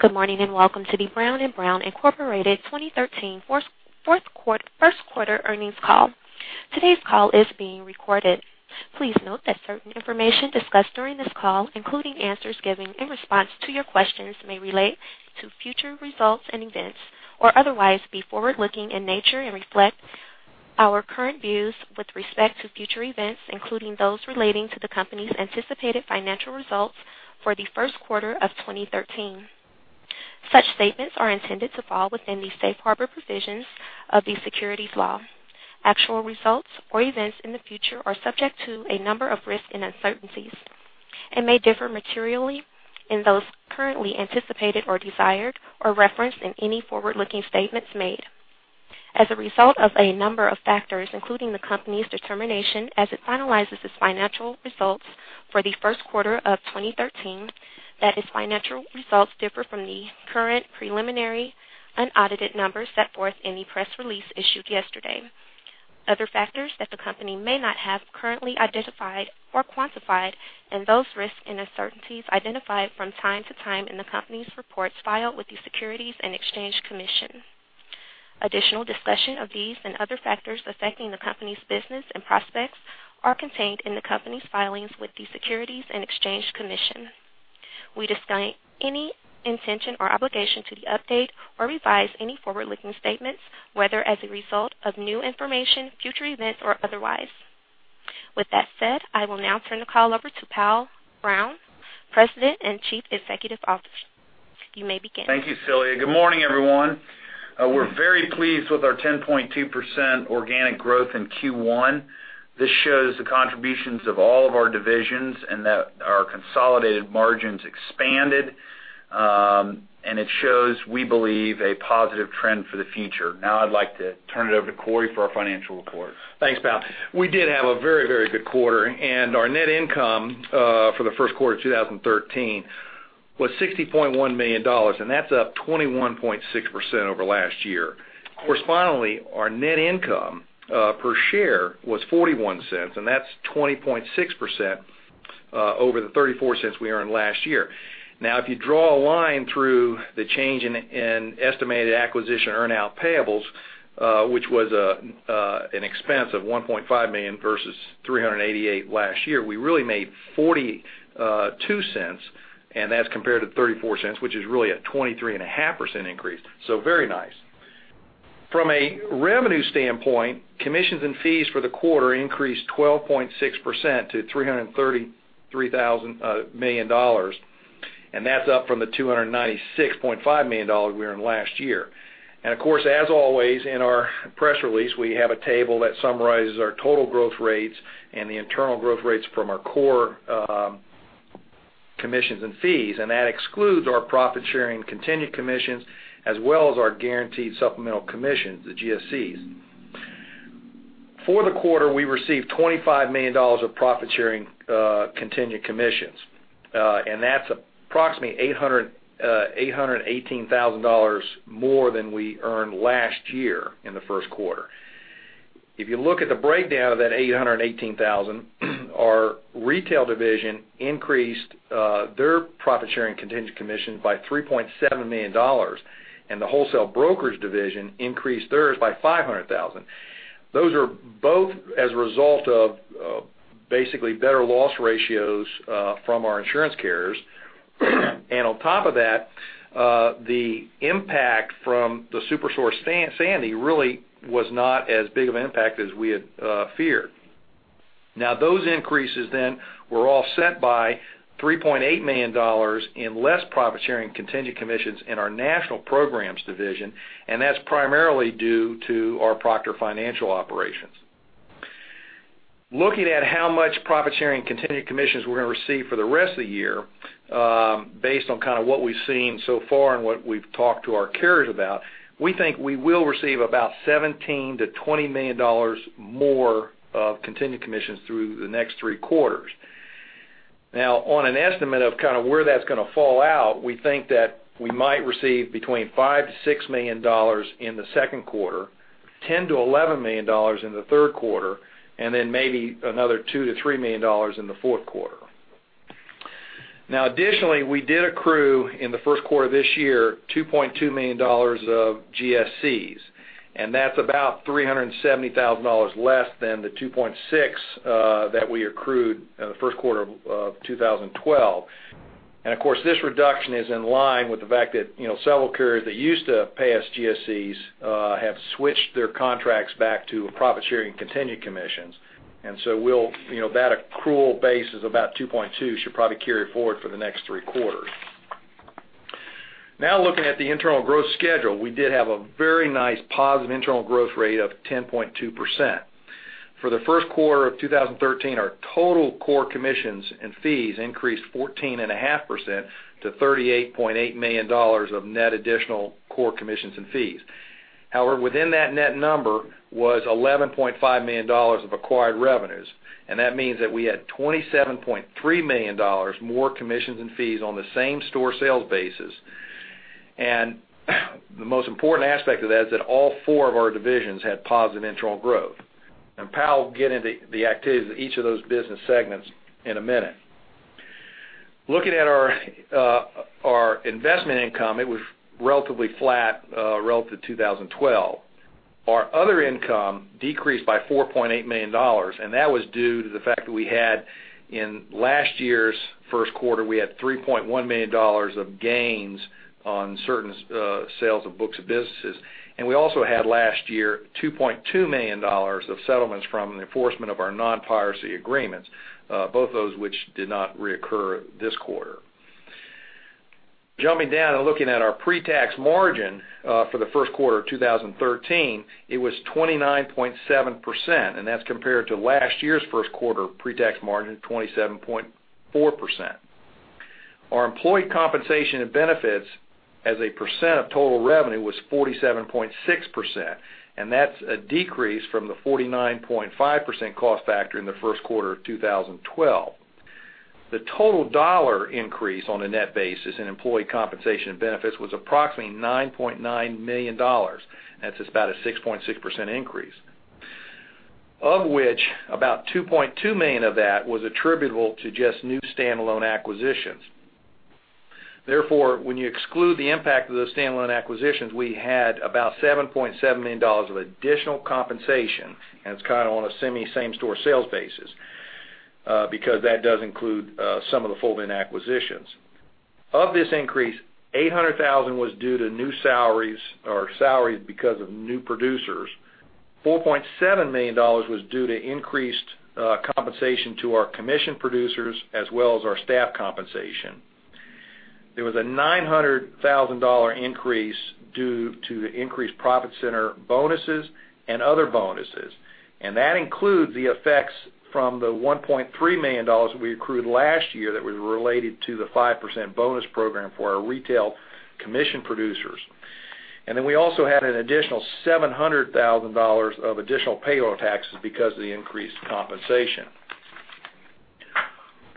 Good morning, and welcome to the Brown & Brown, Inc. 2013 first quarter earnings call. Today's call is being recorded. Please note that certain information discussed during this call, including answers given in response to your questions, may relate to future results and events or otherwise be forward-looking in nature and reflect our current views with respect to future events, including those relating to the company's anticipated financial results for the first quarter of 2013. Such statements are intended to fall within the safe harbor provisions of the Securities law. Actual results or events in the future are subject to a number of risks and uncertainties and may differ materially in those currently anticipated or desired or referenced in any forward-looking statements made as a result of a number of factors, including the company's determination as it finalizes its financial results for the first quarter of 2013, that its financial results differ from the current preliminary, unaudited numbers set forth in the press release issued yesterday. Other factors that the company may not have currently identified or quantified and those risks and uncertainties identified from time to time in the company's reports filed with the Securities and Exchange Commission. Additional discussion of these and other factors affecting the company's business and prospects are contained in the company's filings with the Securities and Exchange Commission. We disclaim any intention or obligation to update or revise any forward-looking statements, whether as a result of new information, future events, or otherwise. With that said, I will now turn the call over to J. Powell Brown, President and Chief Executive Officer. You may begin. Thank you, Celia. Good morning, everyone. We're very pleased with our 10.2% organic growth in Q1. This shows the contributions of all of our divisions and that our consolidated margins expanded. It shows, we believe, a positive trend for the future. Now I'd like to turn it over to Cory for our financial report. Thanks, Powell. We did have a very good quarter. Our net income for the first quarter 2013 was $60.1 million, and that's up 21.6% over last year. Correspondingly, our net income per share was $0.41, and that's 20.6% over the $0.34 we earned last year. If you draw a line through the change in estimated acquisition earn-out payables, which was an expense of $1.5 million versus $388 last year, we really made $0.42, and that's compared to $0.34, which is really a 23.5% increase. Very nice. From a revenue standpoint, commissions and fees for the quarter increased 12.6% to $333 million, and that's up from the $296.5 million we earned last year. Of course, as always, in our press release, we have a table that summarizes our total growth rates and the internal growth rates from our core commissions and fees, and that excludes our profit-sharing contingent commissions as well as our guaranteed supplemental commissions, the GSCs. For the quarter, we received $25 million of profit-sharing contingent commissions, and that's approximately $818,000 more than we earned last year in the first quarter. If you look at the breakdown of that $818,000, our retail division increased their profit-sharing contingent commission by $3.7 million, and the wholesale brokerage division increased theirs by $500,000. Those are both as a result of basically better loss ratios from our insurance carriers. On top of that, the impact from the Superstorm Sandy really was not as big of an impact as we had feared. Those increases then were offset by $3.8 million in less profit-sharing contingent commissions in our national programs division, and that's primarily due to our Proctor Financial operations. Looking at how much profit-sharing contingent commissions we're going to receive for the rest of the year, based on what we've seen so far and what we've talked to our carriers about, we think we will receive about $17 million-$20 million more of contingent commissions through the next three quarters. On an estimate of where that's going to fall out, we think that we might receive between $5 million-$6 million in the second quarter, $10 million-$11 million in the third quarter, and maybe another $2 million-$3 million in the fourth quarter. Additionally, we did accrue in the first quarter of this year, $2.2 million of GSCs, and that's about $370,000 less than the $2.6 million that we accrued in the first quarter of 2012. Of course, this reduction is in line with the fact that several carriers that used to pay us GSCs have switched their contracts back to profit-sharing contingent commissions. That accrual base is about $2.2 million, should probably carry it forward for the next three quarters. Looking at the internal growth schedule, we did have a very nice positive internal growth rate of 10.2%. For the first quarter of 2013, our total core commissions and fees increased 14.5% to $38.8 million of net additional core commissions and fees. Within that net number was $11.5 million of acquired revenues, that means that we had $27.3 million more commissions and fees on the same store sales basis. The most important aspect of that is that all four of our divisions had positive internal growth. Powell, we'll get into the activities of each of those business segments in a minute. Looking at our investment income, it was relatively flat relative to 2012. Our other income decreased by $4.8 million, that was due to the fact that in last year's first quarter, we had $3.1 million of gains on certain sales of books of businesses. We also had last year, $2.2 million of settlements from the enforcement of our non-piracy agreements, both those which did not reoccur this quarter. Jumping down looking at our pre-tax margin for the first quarter of 2013, it was 29.7%, that's compared to last year's first quarter pre-tax margin, 27.4%. Our employee compensation and benefits as a percent of total revenue was 47.6%, that's a decrease from the 49.5% cost factor in the first quarter of 2012. The total dollar increase on a net basis in employee compensation and benefits was approximately $9.9 million. That's about a 6.6% increase, of which about $2.2 million of that was attributable to just new standalone acquisitions. When you exclude the impact of those standalone acquisitions, we had about $7.7 million of additional compensation, it's kind of on a semi same-store sales basis, because that does include some of the fold-in acquisitions. Of this increase, $800,000 was due to new salaries or salaries because of new producers. $4.7 million was due to increased compensation to our commission producers as well as our staff compensation. There was a $900,000 increase due to the increased profit center bonuses and other bonuses, that includes the effects from the $1.3 million we accrued last year that was related to the 5% bonus program for our retail commission producers. We also had an additional $700,000 of additional payroll taxes because of the increased compensation.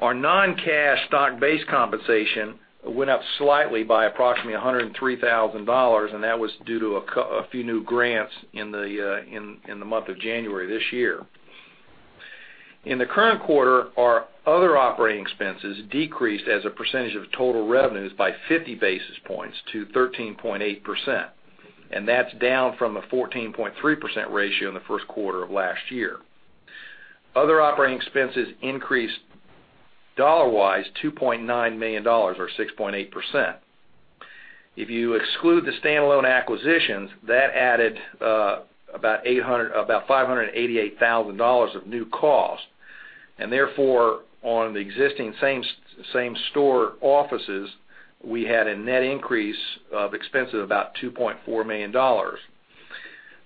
Our non-cash stock-based compensation went up slightly by approximately $103,000, that was due to a few new grants in the month of January this year. In the current quarter, our other operating expenses decreased as a percentage of total revenues by 50 basis points to 13.8%, that's down from a 14.3% ratio in the first quarter of last year. Other operating expenses increased dollar-wise, $2.9 million or 6.8%. If you exclude the standalone acquisitions, that added about $588,000 of new cost, therefore, on the existing same-store offices, we had a net increase of expenses of about $2.4 million.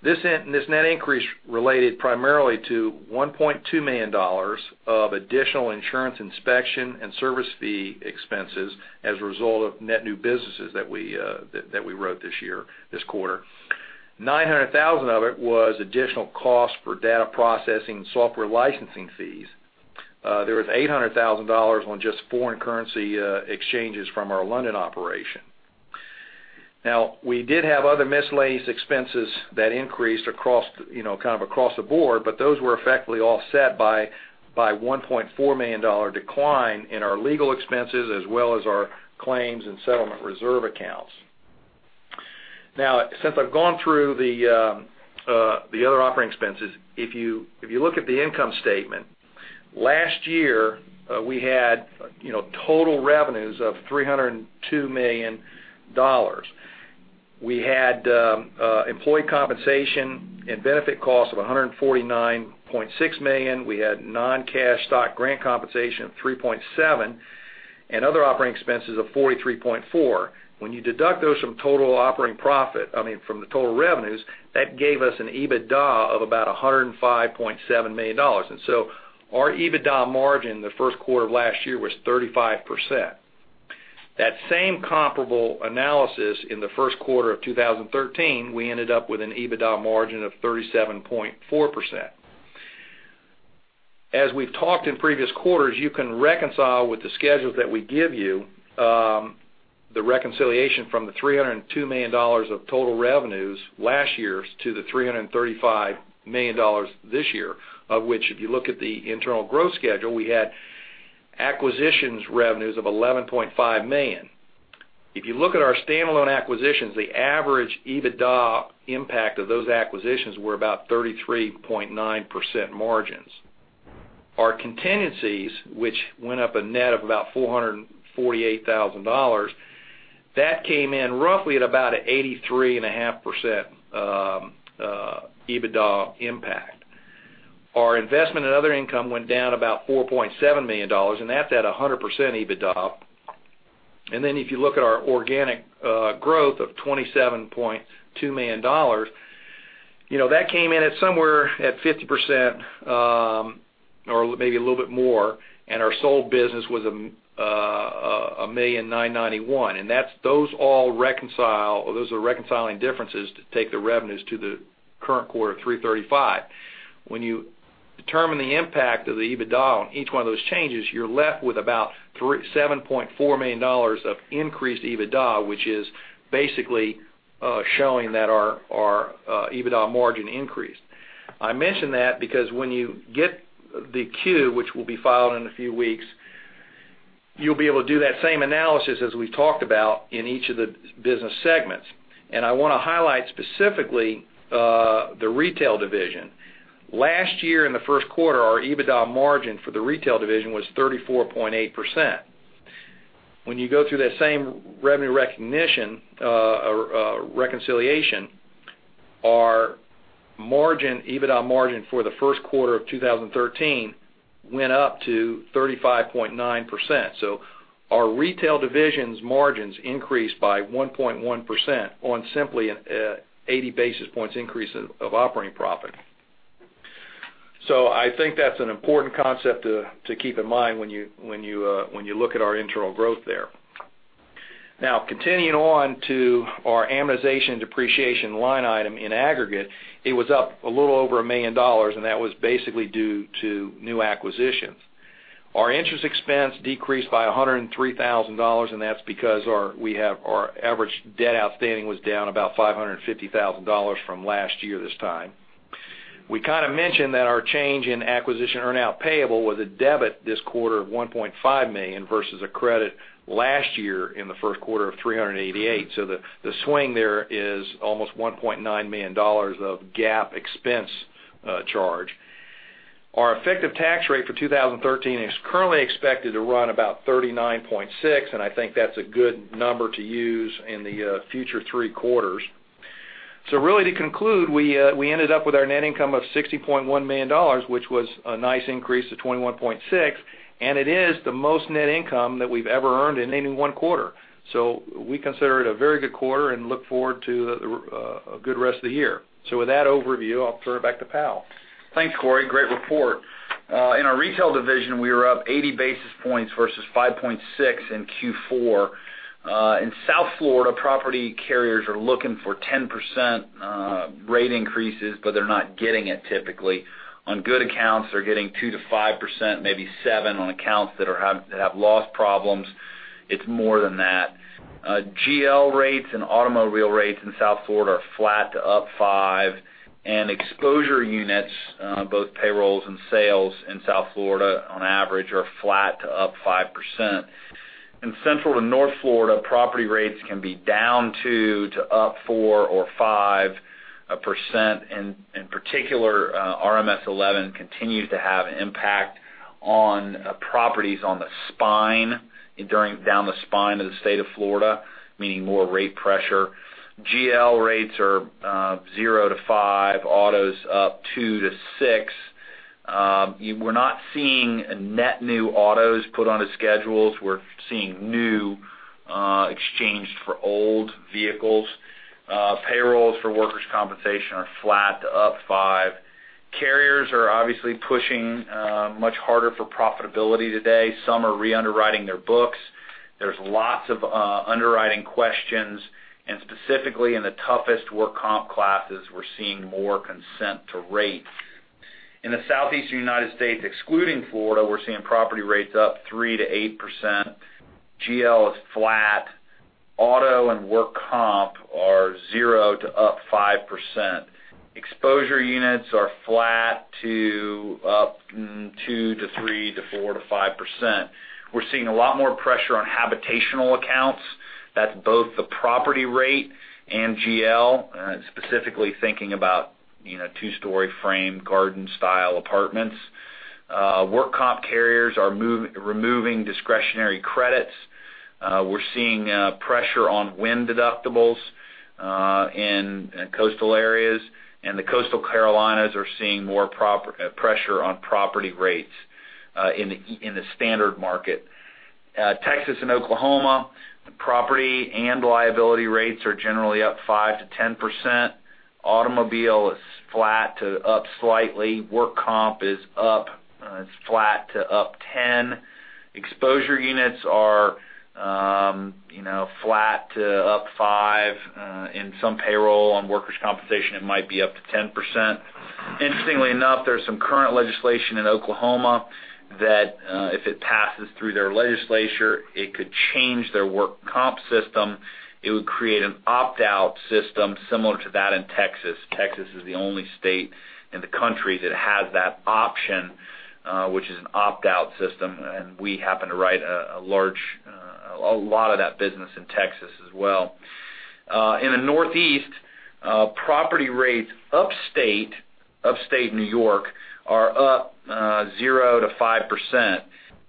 This net increase related primarily to $1.2 million of additional insurance inspection and service fee expenses as a result of net new businesses that we wrote this year, this quarter. $900,000 of it was additional cost for data processing software licensing fees. There was $800,000 on just foreign currency exchanges from our London operation. Now, we did have other miscellaneous expenses that increased kind of across the board, those were effectively offset by a $1.4 million decline in our legal expenses as well as our claims and settlement reserve accounts. Now, since I've gone through the other operating expenses, if you look at the income statement, last year, we had total revenues of $302 million. We had employee compensation and benefit costs of $149.6 million. We had non-cash stock grant compensation of $3.7 and other operating expenses of $43.4. When you deduct those from the total revenues, that gave us an EBITDA of about $105.7 million. Our EBITDA margin the first quarter of last year was 35%. That same comparable analysis in the first quarter of 2013, we ended up with an EBITDA margin of 37.4%. As we've talked in previous quarters, you can reconcile with the schedules that we give you, the reconciliation from the $302 million of total revenues last year to the $335 million this year, of which, if you look at the internal growth schedule, we had acquisitions revenues of $11.5 million. If you look at our standalone acquisitions, the average EBITDA impact of those acquisitions were about 33.9% margins. Our contingencies, which went up a net of about $448,000, that came in roughly at about 83.5% EBITDA impact. Our investment and other income went down about $4.7 million, and that's at 100% EBITDA. If you look at our organic growth of $27.2 million, that came in at somewhere at 50% or maybe a little bit more, and our sold business was $1,991,000. Those all reconcile or those are reconciling differences to take the revenues to the current quarter of $335. When you determine the impact of the EBITDA on each one of those changes, you're left with about $7.4 million of increased EBITDA, which is basically showing that our EBITDA margin increased. I mention that because when you get the Q, which will be filed in a few weeks, you'll be able to do that same analysis as we've talked about in each of the business segments. I want to highlight specifically, the retail division. Last year, in the first quarter, our EBITDA margin for the retail division was 34.8%. When you go through that same revenue recognition, or reconciliation, our EBITDA margin for the first quarter of 2013 went up to 35.9%. Our retail division's margins increased by 1.1% on simply an 80 basis points increase of operating profit. I think that's an important concept to keep in mind when you look at our internal growth there. Now, continuing on to our amortization and depreciation line item. In aggregate, it was up a little over $1 million, and that was basically due to new acquisitions. Our interest expense decreased by $103,000, and that's because our average debt outstanding was down about $550,000 from last year this time. We kind of mentioned that our change in acquisition earnout payable was a debit this quarter of $1.5 million versus a credit last year in the first quarter of $388,000. The swing there is almost $1.9 million of GAAP expense charge. Our effective tax rate for 2013 is currently expected to run about 39.6%, and I think that's a good number to use in the future three quarters. Really to conclude, we ended up with our net income of $60.1 million, which was a nice increase to 21.6%, and it is the most net income that we've ever earned in any one quarter. We consider it a very good quarter and look forward to a good rest of the year. With that overview, I'll throw it back to Powell. Thanks, Cory. Great report. In our retail division, we were up 80 basis points versus 5.6 in Q4. In South Florida, property carriers are looking for 10% rate increases, but they're not getting it typically. On good accounts, they're getting 2%-5%, maybe 7% on accounts that have loss problems, it's more than that. GL rates and automobile rates in South Florida are flat to up 5%. Exposure units, both payrolls and sales in South Florida on average are flat to up 5%. In Central to North Florida, property rates can be down 2% to up 4% or 5%. In particular, RMS 11 continues to have an impact on properties on the spine, down the spine of the state of Florida, meaning more rate pressure. GL rates are 0%-5%, autos up 2%-6%. We're not seeing net new autos put onto schedules. We're seeing new exchanged for old vehicles. Payrolls for workers' compensation are flat to up 5%. Carriers are obviously pushing much harder for profitability today. Some are re-underwriting their books. There's lots of underwriting questions, specifically in the toughest work comp classes, we're seeing more consent to rates. In the Southeastern U.S., excluding Florida, we're seeing property rates up 3%-8%. GL is flat. Auto and work comp are 0%-5%. Exposure units are flat to up 2% to 3% to 4% to 5%. We're seeing a lot more pressure on habitational accounts. That's both the property rate and GL, specifically thinking about two-story frame garden style apartments. Work comp carriers are removing discretionary credits. We're seeing pressure on wind deductibles in coastal areas. The coastal Carolinas are seeing more pressure on property rates in the standard market. Texas and Oklahoma, the property and liability rates are generally up 5%-10%. Automobile is flat to up slightly. Work comp is flat to up 10%. Exposure units are flat to up 5%. In some payroll on workers' compensation, it might be up to 10%. Interestingly enough, there's some current legislation in Oklahoma that, if it passes through their legislature, it could change their work comp system. It would create an opt-out system similar to that in Texas. Texas is the only state in the country that has that option, which is an opt-out system, and we happen to write a lot of that business in Texas as well. In the Northeast, property rates upstate New York are up 0%-5%.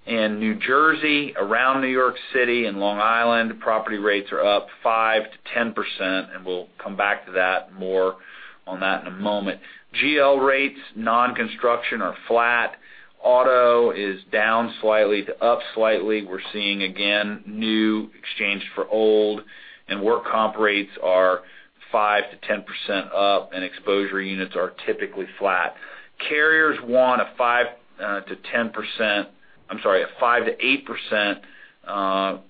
In New Jersey, around New York City and Long Island, property rates are up 5%-10%, and we'll come back to that more on that in a moment. GL rates, non-construction are flat. Auto is down slightly to up slightly. We're seeing, again, new exchanged for old. Work comp rates are 5%-10% up, and exposure units are typically flat. Carriers want a 5%-8%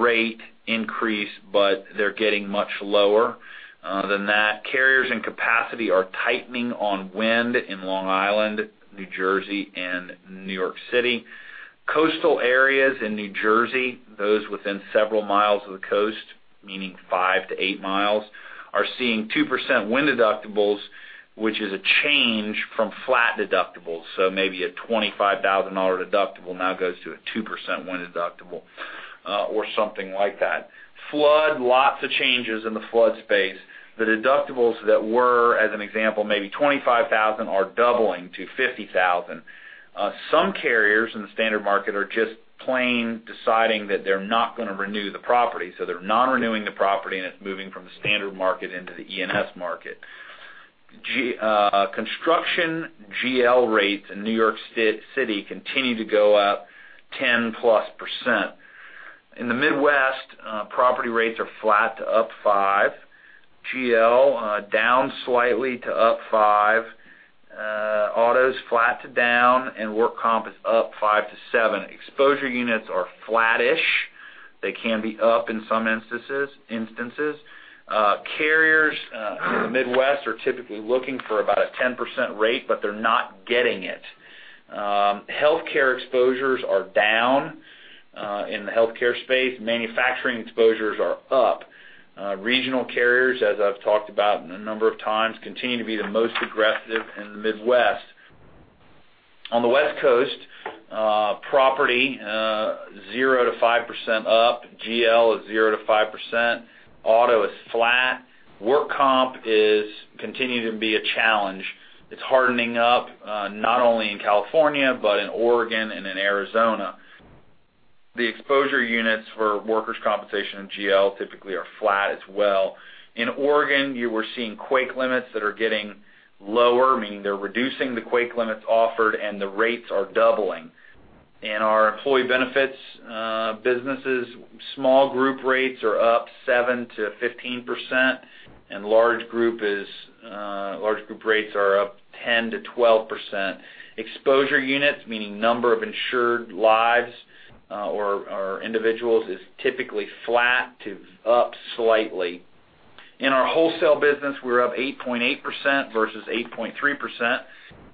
rate increase, but they're getting much lower than that. Carriers and capacity are tightening on wind in Long Island, New Jersey, and New York City. Coastal areas in New Jersey, those within several miles of the coast, meaning 5-8 miles, are seeing 2% wind deductibles, which is a change from flat deductibles. So maybe a $25,000 deductible now goes to a 2% wind deductible or something like that. Flood. Lots of changes in the flood space. The deductibles that were, as an example, maybe $25,000, are doubling to $50,000. Some carriers in the standard market are just plain deciding that they're not going to renew the property, they're not renewing the property, and it's moving from the standard market into the E&S market. Construction GL rates in New York City continue to go up 10%+. In the Midwest, property rates are flat to up 5. GL, down slightly to up 5. Auto's flat to down, and work comp is up 5-7. Exposure units are flattish. They can be up in some instances. Carriers in the Midwest are typically looking for about a 10% rate, they're not getting it. Healthcare exposures are down in the healthcare space. Manufacturing exposures are up. Regional carriers, as I've talked about a number of times, continue to be the most aggressive in the Midwest. On the West Coast, property, 0%-5% up. GL is 0%-5%. Auto is flat. Work comp continue to be a challenge. It's hardening up, not only in California, but in Oregon and in Arizona. The exposure units for workers' compensation and GL typically are flat as well. In Oregon, you are seeing quake limits that are getting lower, meaning they're reducing the quake limits offered and the rates are doubling. In our employee benefits businesses, small group rates are up 7%-15%, and large group rates are up 10%-12%. Exposure units, meaning number of insured lives or individuals, is typically flat to up slightly. In our wholesale business, we're up 8.8% versus 8.3%.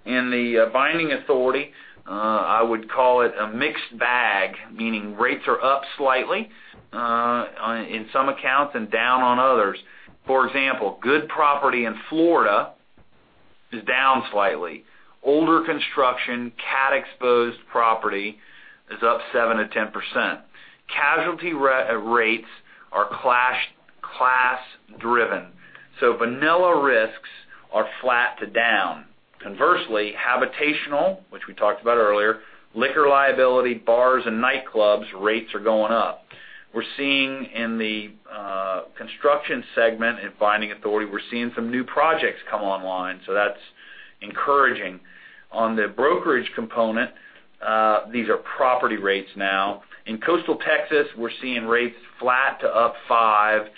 In the binding authority, I would call it a mixed bag, meaning rates are up slightly in some accounts and down on others. For example, good property in Florida is down slightly. Older construction, cat-exposed property is up 7%-10%. Casualty rates are class driven. Vanilla risks are flat to down. Conversely, habitational, which we talked about earlier, liquor liability, bars, and nightclubs, rates are going up. In the construction segment and binding authority, we're seeing some new projects come online, that's encouraging. On the brokerage component, these are property rates now. In coastal Texas, we're seeing rates flat to up 5, but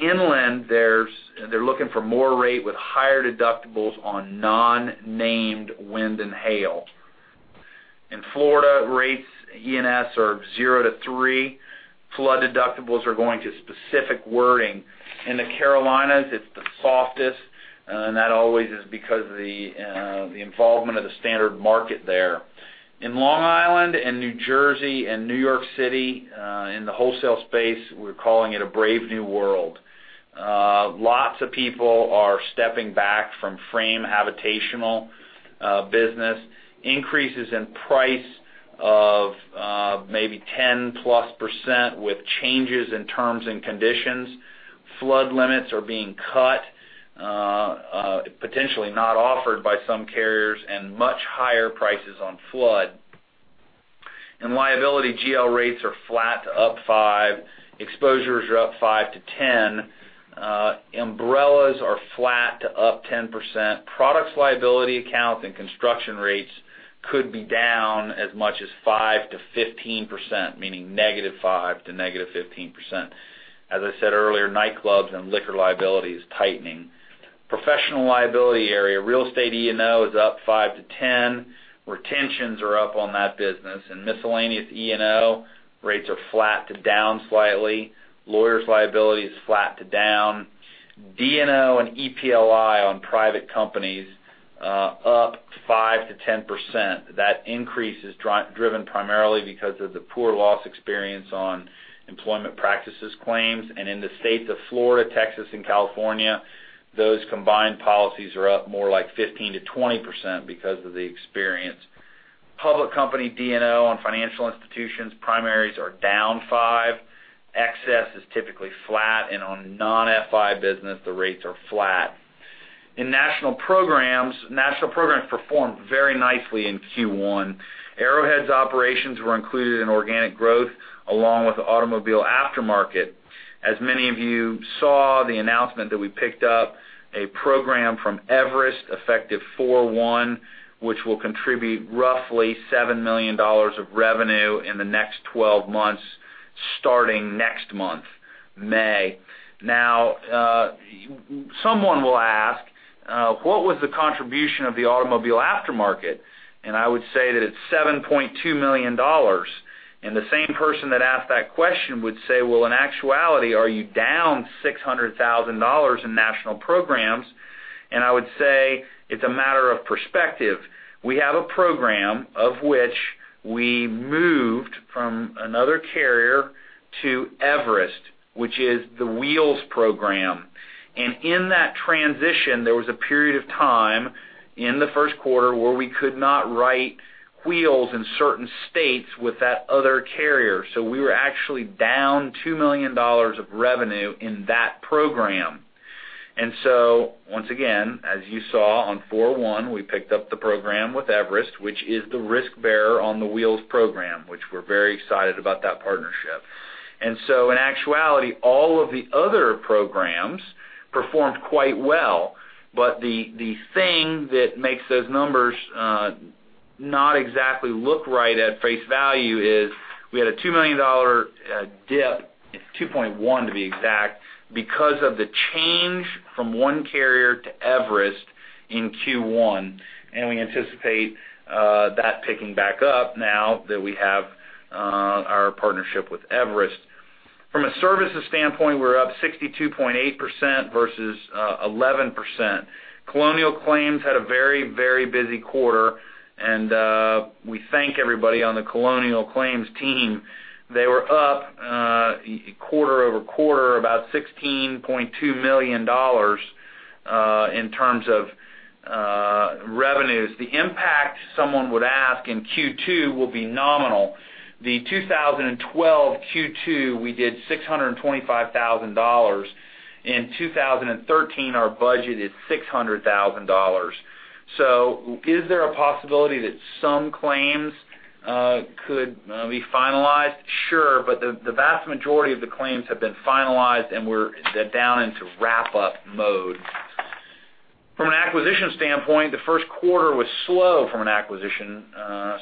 inland, they're looking for more rate with higher deductibles on non-named wind and hail. In Florida, rates E&S are 0-3. Flood deductibles are going to specific wording. In the Carolinas, it's the softest, that always is because of the involvement of the standard market there. In Long Island and New Jersey and New York City, in the wholesale space, we're calling it a brave new world. Lots of people are stepping back from habitational business. Increases in price of maybe 10%+ with changes in terms and conditions. Flood limits are being cut, potentially not offered by some carriers, and much higher prices on flood. In liability, GL rates are flat to up 5%. Exposures are up 5%-10%. Umbrellas are flat to up 10%. Products liability accounts and construction rates could be down as much as 5%-15%, meaning -5% to -15%. As I said earlier, nightclubs and liquor liability is tightening. Professional liability area, real estate E&O is up 5%-10%. Retentions are up on that business. Miscellaneous E&O rates are flat to down slightly. Lawyers' liability is flat to down. D&O and EPLI on private companies, up 5%-10%. That increase is driven primarily because of the poor loss experience on employment practices claims. In the states of Florida, Texas, and California, those combined policies are up more like 15%-20% because of the experience. Public company D&O on financial institutions, primaries are down 5%. Excess is typically flat, on non-FI business, the rates are flat. In national programs, national programs performed very nicely in Q1. Arrowhead's operations were included in organic growth, along with the Automotive Aftermarket. As many of you saw, the announcement that we picked up a program from Everest Re, effective 4/1, which will contribute roughly $7 million of revenue in the next 12 months, starting next month. May. Someone will ask, what was the contribution of the Automotive Aftermarket? I would say that it's $7.2 million. The same person that asked that question would say, "In actuality, are you down $600,000 in national programs?" I would say it's a matter of perspective. We have a program of which we moved from another carrier to Everest Re, which is the Wheels program. In that transition, there was a period of time in the first quarter where we could not write Wheels in certain states with that other carrier. We were actually down $2 million of revenue in that program. Once again, as you saw on 4/1, we picked up the program with Everest Re, which is the risk bearer on the Wheels program, which we're very excited about that partnership. In actuality, all of the other programs performed quite well. The thing that makes those numbers not exactly look right at face value is we had a $2 million dip, $2.1 million to be exact, because of the change from one carrier to Everest Re in Q1. We anticipate that picking back up now that we have our partnership with Everest Re. From a services standpoint, we're up 62.8% versus 11%. Colonial Claims had a very busy quarter, and we thank everybody on the Colonial Claims team. They were up quarter-over-quarter, about $16.2 million in terms of revenues. The impact someone would ask in Q2 will be nominal. The 2012 Q2, we did $625,000. In 2013, our budget is $600,000. Is there a possibility that some claims could be finalized? Sure. The vast majority of the claims have been finalized, and we're down into wrap-up mode. From an acquisition standpoint, the first quarter was slow from an acquisition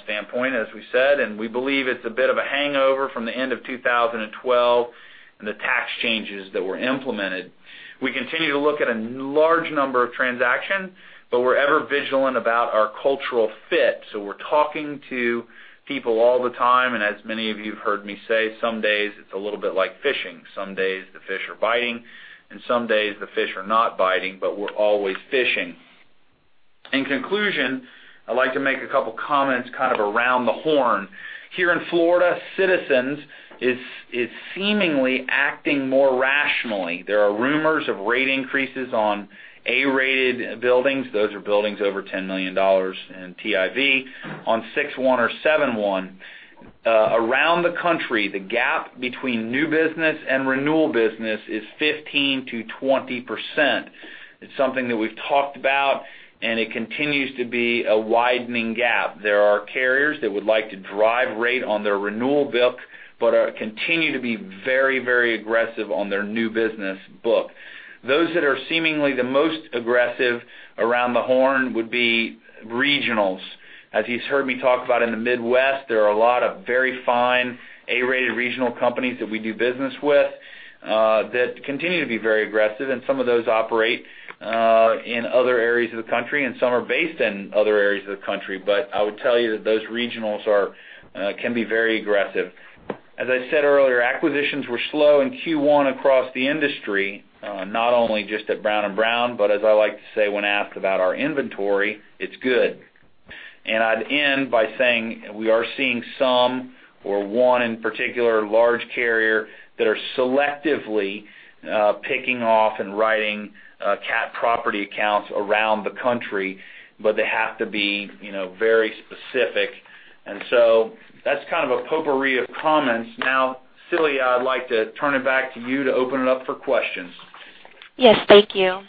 standpoint, as we said, we believe it's a bit of a hangover from the end of 2012 and the tax changes that were implemented. We continue to look at a large number of transactions, we're ever vigilant about our cultural fit. We're talking to people all the time, as many of you have heard me say, some days it's a little bit like fishing. Some days the fish are biting, some days the fish are not biting, but we're always fishing. In conclusion, I'd like to make a couple of comments kind of around the horn. Here in Florida, Citizens is seemingly acting more rationally. There are rumors of rate increases on A-rated buildings. Those are buildings over $10 million in TIV on 61 or 71. Around the country, the gap between new business and renewal business is 15%-20%. It's something that we've talked about, it continues to be a widening gap. There are carriers that would like to drive rate on their renewal book, but continue to be very aggressive on their new business book. Those that are seemingly the most aggressive around the horn would be regionals. As you've heard me talk about in the Midwest, there are a lot of very fine A-rated regional companies that we do business with that continue to be very aggressive, some of those operate in other areas of the country, some are based in other areas of the country. I would tell you that those regionals can be very aggressive. As I said earlier, acquisitions were slow in Q1 across the industry, not only just at Brown & Brown, as I like to say, when asked about our inventory, it's good. I'd end by saying we are seeing some or one, in particular, large carrier that are selectively picking off and writing cat property accounts around the country, but they have to be very specific. That's kind of a potpourri of comments. Now, Celia, I'd like to turn it back to you to open it up for questions. Yes, thank you.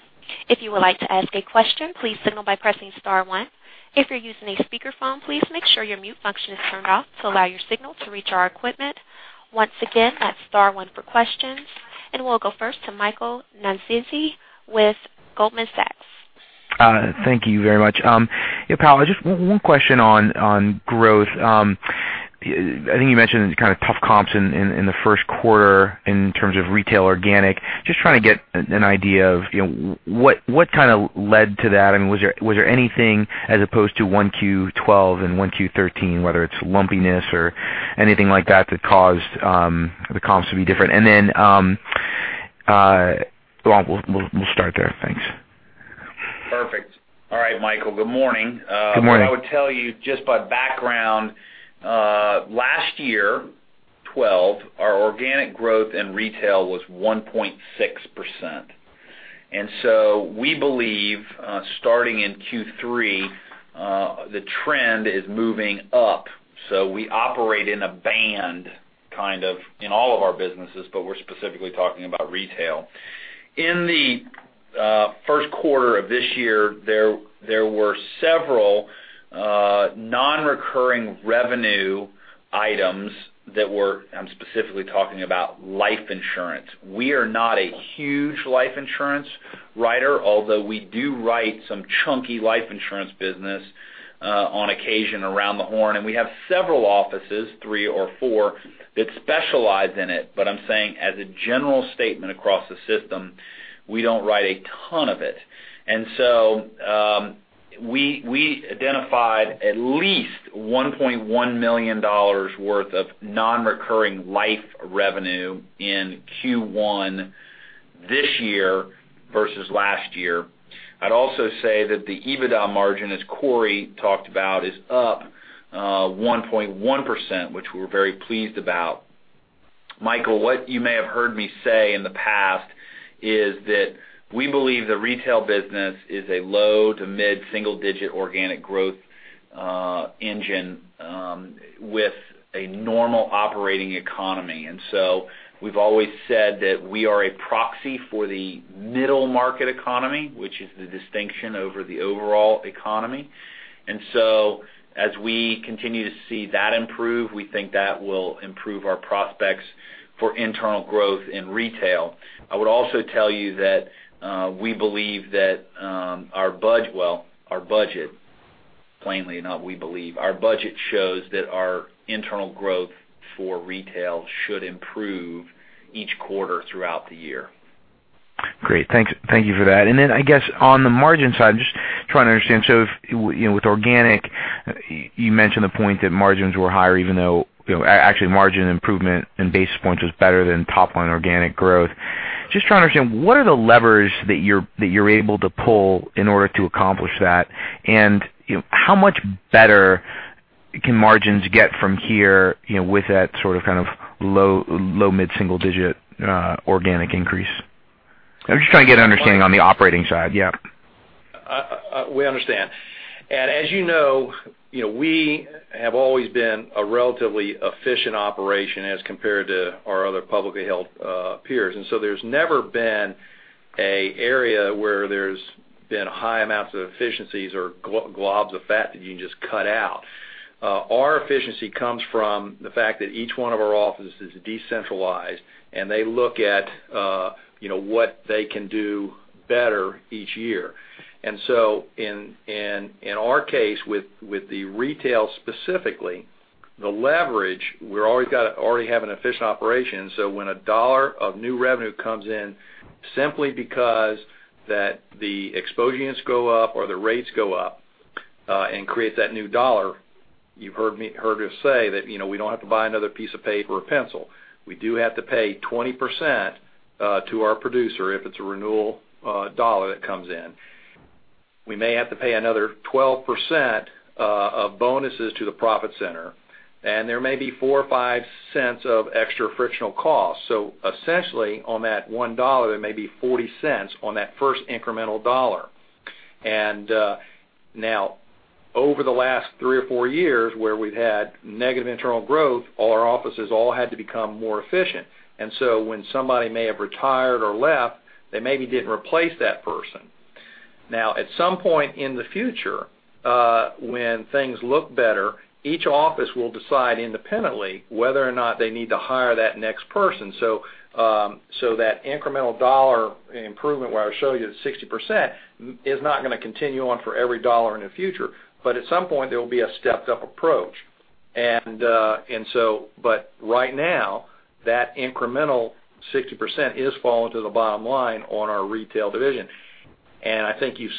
If you would like to ask a question, please signal by pressing star one. If you're using a speakerphone, please make sure your mute function is turned off to allow your signal to reach our equipment. Once again, that's star one for questions. We'll go first to Michael Nannizzi with Goldman Sachs. Thank you very much. Powell, just one question on growth. I think you mentioned kind of tough comps in the first quarter in terms of retail organic. Just trying to get an idea of what led to that, and was there anything as opposed to Q1 2012 and Q1 2013, whether it's lumpiness or anything like that caused the comps to be different? We'll start there. Thanks. Perfect. Michael, good morning. Good morning. I would tell you just by background, last year, 2012, our organic growth in retail was 1.6%. We believe starting in Q3, the trend is moving up. We operate in a band kind of in all of our businesses, but we're specifically talking about retail. In the first quarter of this year, there were several non-recurring revenue items that were, I'm specifically talking about life insurance. We are not a huge life insurance writer, although we do write some chunky life insurance business on occasion around the horn, and we have several offices, three or four, that specialize in it. I'm saying, as a general statement across the system, we don't write a ton of it. We identified at least $1.1 million worth of non-recurring life revenue in Q1 this year versus last year. I'd also say that the EBITDA margin, as Cory talked about, is up 1.1%, which we're very pleased about. Michael, what you may have heard me say in the past is that we believe the retail business is a low to mid-single-digit organic growth engine with a normal operating economy. We've always said that we are a proxy for the middle market economy, which is the distinction over the overall economy. As we continue to see that improve, we think that will improve our prospects for internal growth in retail. I would also tell you that we believe that our budget, plainly, not we believe. Our budget shows that our internal growth for retail should improve each quarter throughout the year. Great. Thank you for that. I guess, on the margin side, just trying to understand, so if with organic, you mentioned the point that margins were higher even though, actually, margin improvement and basis points was better than top line organic growth. Just trying to understand, what are the levers that you're able to pull in order to accomplish that? How much better can margins get from here with that sort of low mid-single-digit organic increase? I'm just trying to get an understanding on the operating side. Yeah. We understand. As you know, we have always been a relatively efficient operation as compared to our other publicly held peers. There's never been an area where there's been high amounts of efficiencies or globs of fat that you can just cut out. Our efficiency comes from the fact that each one of our offices is decentralized, and they look at what they can do better each year. In our case, with the retail specifically, the leverage, we already have an efficient operation. So when a dollar of new revenue comes in, simply because the expose units go up or the rates go up and create that new dollar, you've heard us say that we don't have to buy another piece of paper or pencil. We do have to pay 20% to our producer if it's a renewal dollar that comes in. We may have to pay another 12% of bonuses to the profit center, and there may be $0.04 or $0.05 of extra frictional cost. So essentially, on that $1, it may be $0.40 on that first incremental dollar. Now, over the last three or four years, where we've had negative internal growth, all our offices all had to become more efficient. When somebody may have retired or left, they maybe didn't replace that person. Now, at some point in the future, when things look better, each office will decide independently whether or not they need to hire that next person. So that incremental dollar improvement, where I show you the 60%, is not going to continue on for every dollar in the future. At some point, there will be a stepped up approach. Right now, that incremental 60% is falling to the bottom line on our retail division. I think you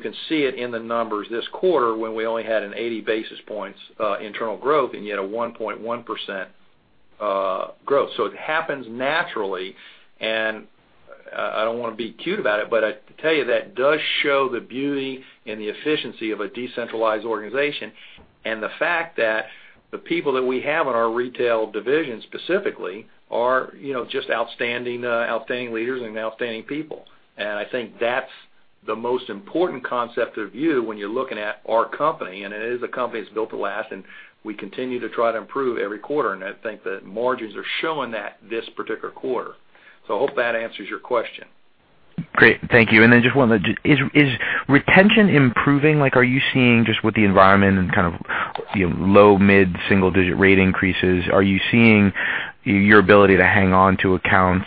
can see it in the numbers this quarter when we only had an 80 basis points internal growth and you had a 1.1% growth. It happens naturally, and I don't want to be cute about it, but I tell you that does show the beauty and the efficiency of a decentralized organization. The fact that the people that we have on our retail division specifically are just outstanding leaders and outstanding people. I think that's the most important concept of view when you're looking at our company, and it is a company that's built to last, and we continue to try to improve every quarter, and I think that margins are showing that this particular quarter. I hope that answers your question. Great. Thank you. Just one. Is retention improving? Are you seeing just with the environment and kind of low mid-single digit rate increases, are you seeing your ability to hang on to accounts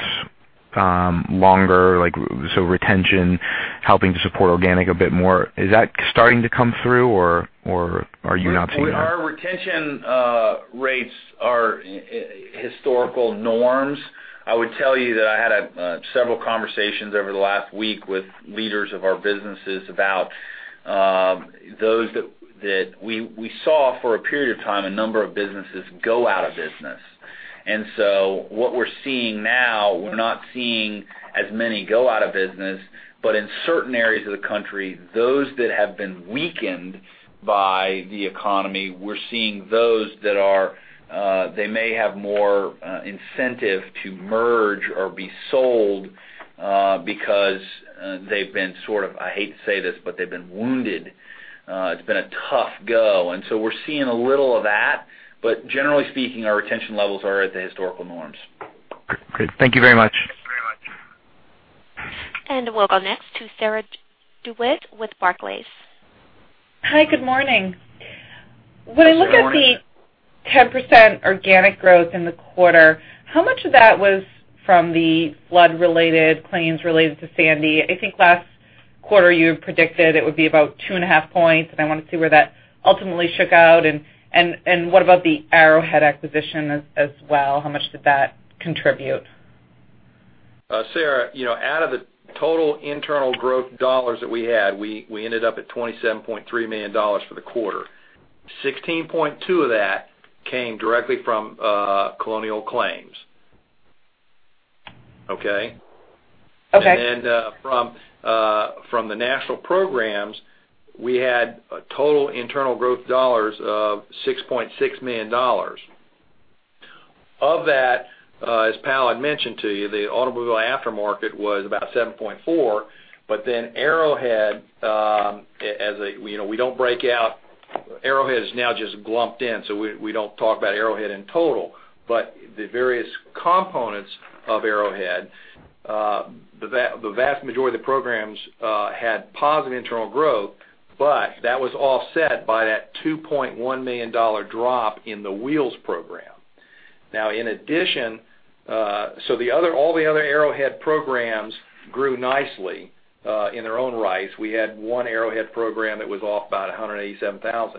longer? So retention helping to support organic a bit more, is that starting to come through or are you not seeing that? Our retention rates are historical norms. I would tell you that I had several conversations over the last week with leaders of our businesses about those that we saw for a period of time, a number of businesses go out of business. What we're seeing now, we're not seeing as many go out of business, but in certain areas of the country, those that have been weakened by the economy, we're seeing those that are, they may have more incentive to merge or be sold because they've been sort of, I hate to say this, but they've been wounded. It's been a tough go. We're seeing a little of that, but generally speaking, our retention levels are at the historical norms. Great. Thank you very much. We'll go next to Sarah DeWitt with Barclays. Hi, good morning. Good morning. When I look at the 10% organic growth in the quarter, how much of that was from the flood-related claims related to Sandy? I think last quarter you had predicted it would be about two and a half points, and I want to see where that ultimately shook out. What about the Arrowhead acquisition as well? How much did that contribute? Sarah, out of the total internal growth dollars that we had, we ended up at $27.3 million for the quarter. $16.2 of that came directly from Colonial Claims. Okay? Okay. From the national programs, we had a total internal growth dollars of $6.6 million. Of that, as Powell had mentioned to you, the Automotive Aftermarket was about $7.4. Arrowhead, we don't break out. Arrowhead is now just clumped in, so we don't talk about Arrowhead in total. The various components of Arrowhead, the vast majority of the programs had positive internal growth, but that was offset by that $2.1 million drop in the Wheels program. In addition, all the other Arrowhead programs grew nicely in their own right. We had one Arrowhead program that was off by $187,000.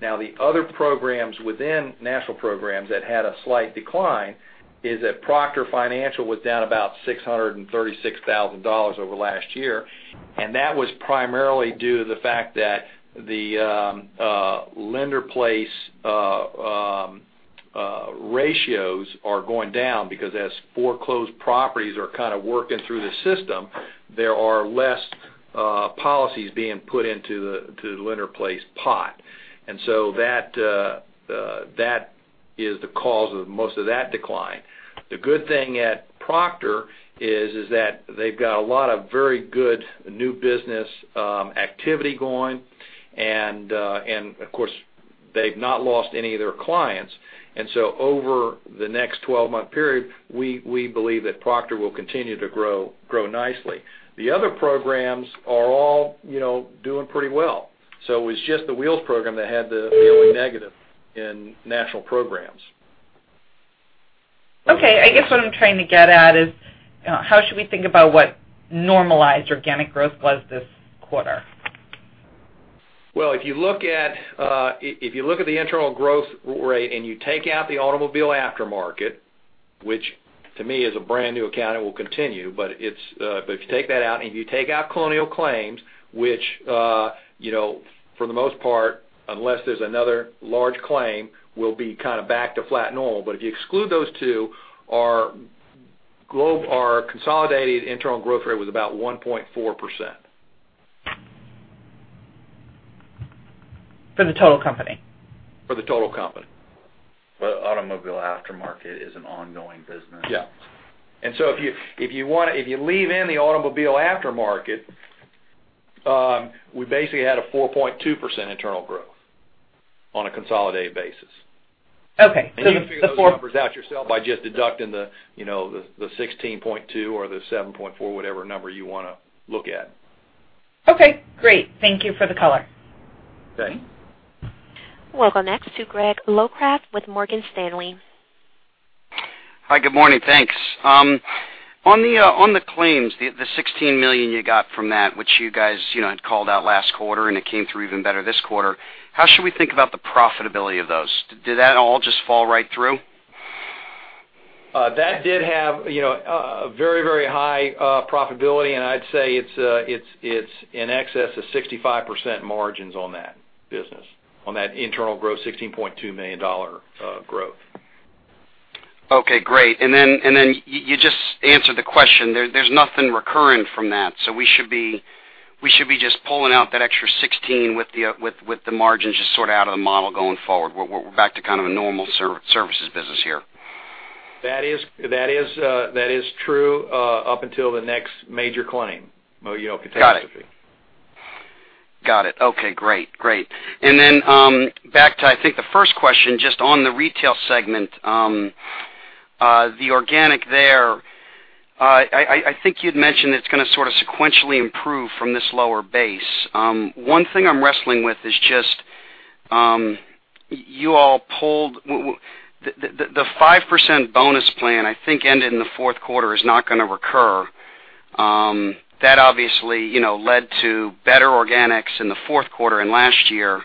The other programs within national programs that had a slight decline is that Proctor Financial was down about $636,000 over last year, and that was primarily due to the fact that the lender-place ratios are going down, because as foreclosed properties are kind of working through the system, there are less policies being put into the lender-place pot. That is the cause of most of that decline. The good thing at Proctor is that they've got a lot of very good new business activity going and, of course, they've not lost any of their clients. Over the next 12-month period, we believe that Proctor will continue to grow nicely. The other programs are all doing pretty well. It was just the Wheels program that had the only negative in national programs. Okay. I guess what I'm trying to get at is how should we think about what normalized organic growth was this quarter? If you look at the internal growth rate and you take out the Automotive Aftermarket, which to me is a brand new account and will continue, but if you take that out and if you take out Colonial Claims, which for the most part, unless there's another large claim, will be kind of back to flat normal, but if you exclude those two, our consolidated internal growth rate was about 1.4%. For the total company? For the total company. Automotive Aftermarket is an ongoing business. Yeah. If you leave in the Automotive Aftermarket, we basically had a 4.2% internal growth on a consolidated basis. Okay. You can figure the numbers out yourself by just deducting the 16.2 or the 7.4, whatever number you want to look at. Okay, great. Thank you for the color. Okay. We'll go next to Greg Locraft with Morgan Stanley. Hi, good morning. Thanks. On the claims, the $16 million you got from that, which you guys had called out last quarter, it came through even better this quarter, how should we think about the profitability of those? Did that all just fall right through? That did have a very high profitability, I'd say it's in excess of 65% margins on that business, on that internal growth, $16.2 million growth. Okay, great. Then you just answered the question. There's nothing recurring from that, we should be just pulling out that extra $16 with the margins just sort out of the model going forward. We're back to kind of a normal services business here. That is true up until the next major claim, catastrophe. Got it. Okay, great. Then back to, I think, the first question, just on the retail segment, the organic there, I think you'd mentioned it's going to sort of sequentially improve from this lower base. One thing I'm wrestling with is just the 5% bonus plan, I think, ended in the fourth quarter, is not going to recur. That obviously led to better organics in the fourth quarter and last year.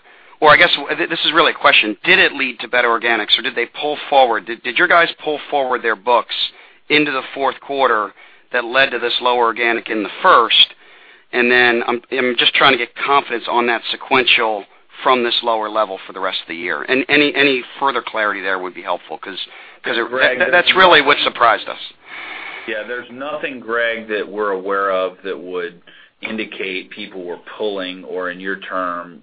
I guess this is really a question, did it lead to better organics, or did they pull forward? Did your guys pull forward their books into the fourth quarter that led to this lower organic in the first? Then I'm just trying to get confidence on that sequential from this lower level for the rest of the year. Any further clarity there would be helpful because that's really what surprised us. Yeah, there's nothing, Greg, that we're aware of that would indicate people were pulling or, in your term,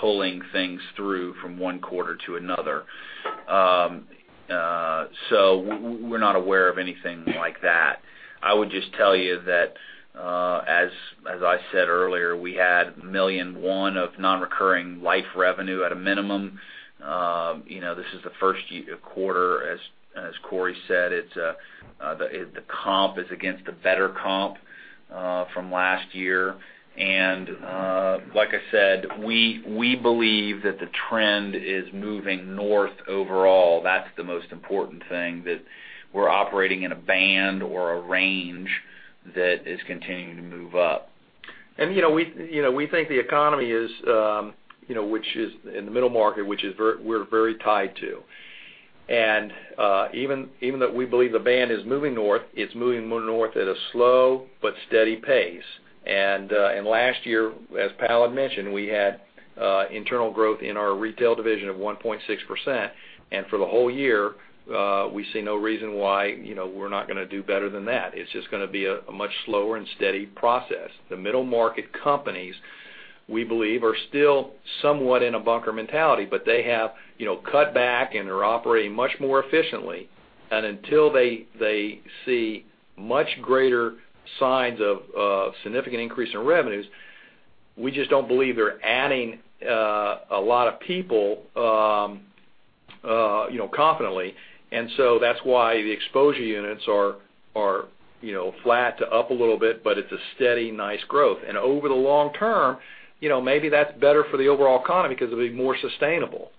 pulling things through from one quarter to another. We're not aware of anything like that. I would just tell you that I said earlier, we had a million, one of non-recurring life revenue at a minimum. This is the first quarter, as Cory said, the comp is against the better comp from last year. Like I said, we believe that the trend is moving north overall. That's the most important thing, that we're operating in a band or a range that is continuing to move up. We think the economy is, which is in the middle market, which we're very tied to. Even though we believe the band is moving north, it's moving north at a slow but steady pace. Last year, as Powell mentioned, we had internal growth in our retail division of 1.6%. For the whole year, we see no reason why we're not going to do better than that. It's just going to be a much slower and steady process. The middle market companies, we believe, are still somewhat in a bunker mentality, but they have cut back and are operating much more efficiently. Until they see much greater signs of a significant increase in revenues, we just don't believe they're adding a lot of people confidently. That's why the exposure units are flat to up a little bit, but it's a steady, nice growth. Over the long term, maybe that's better for the overall economy because it'll be more sustainable,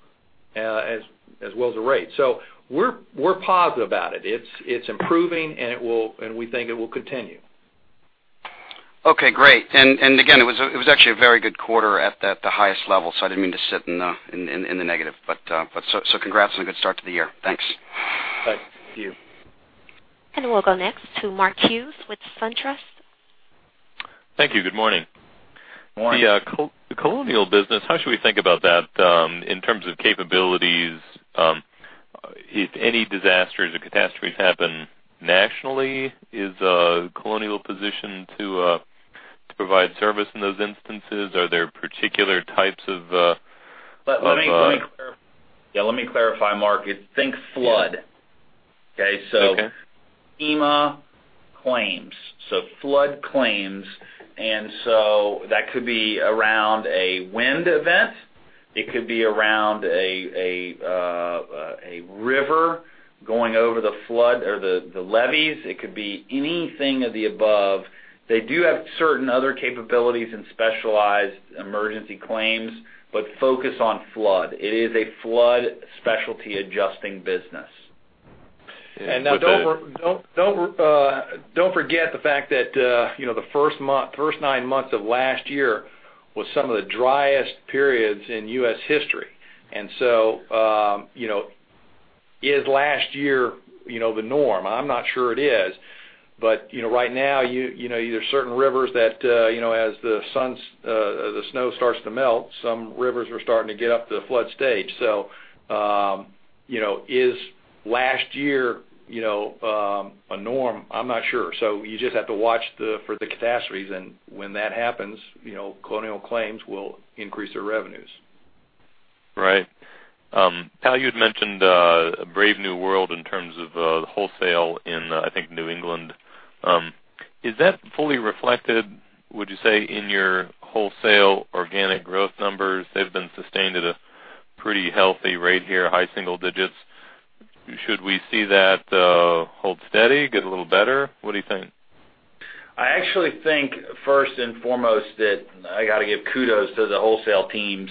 as well as the rate. We're positive about it. It's improving, and we think it will continue. Okay, great. Again, it was actually a very good quarter at the highest level, so I didn't mean to sit in the negative. Congrats on a good start to the year. Thanks. Thanks. You. We'll go next to Mark Hughes with SunTrust. Thank you. Good morning. Morning. The Colonial business, how should we think about that in terms of capabilities? If any disasters or catastrophes happen nationally, is Colonial positioned to provide service in those instances? Let me clarify, Mark. Think flood. Okay? Okay. FEMA claims. Flood claims. That could be around a wind event. It could be around a river going over the flood or the levees. It could be anything of the above. They do have certain other capabilities in specialized emergency claims, but focus on flood. It is a flood specialty adjusting business. Now don't forget the fact that the first nine months of last year was some of the driest periods in U.S. history. Is last year the norm? I'm not sure it is. Right now, there are certain rivers that as the snow starts to melt, some rivers are starting to get up to the flood stage. Is last year a norm? I'm not sure. You just have to watch for the catastrophes. When that happens, Colonial Claims will increase their revenues. Right. Powell, you had mentioned a brave new world in terms of the wholesale in, I think, New England. Is that fully reflected, would you say, in your wholesale organic growth numbers? They've been sustained at a pretty healthy rate here, high single digits. Should we see that hold steady, get a little better? What do you think? I actually think first and foremost that I got to give kudos to the wholesale team.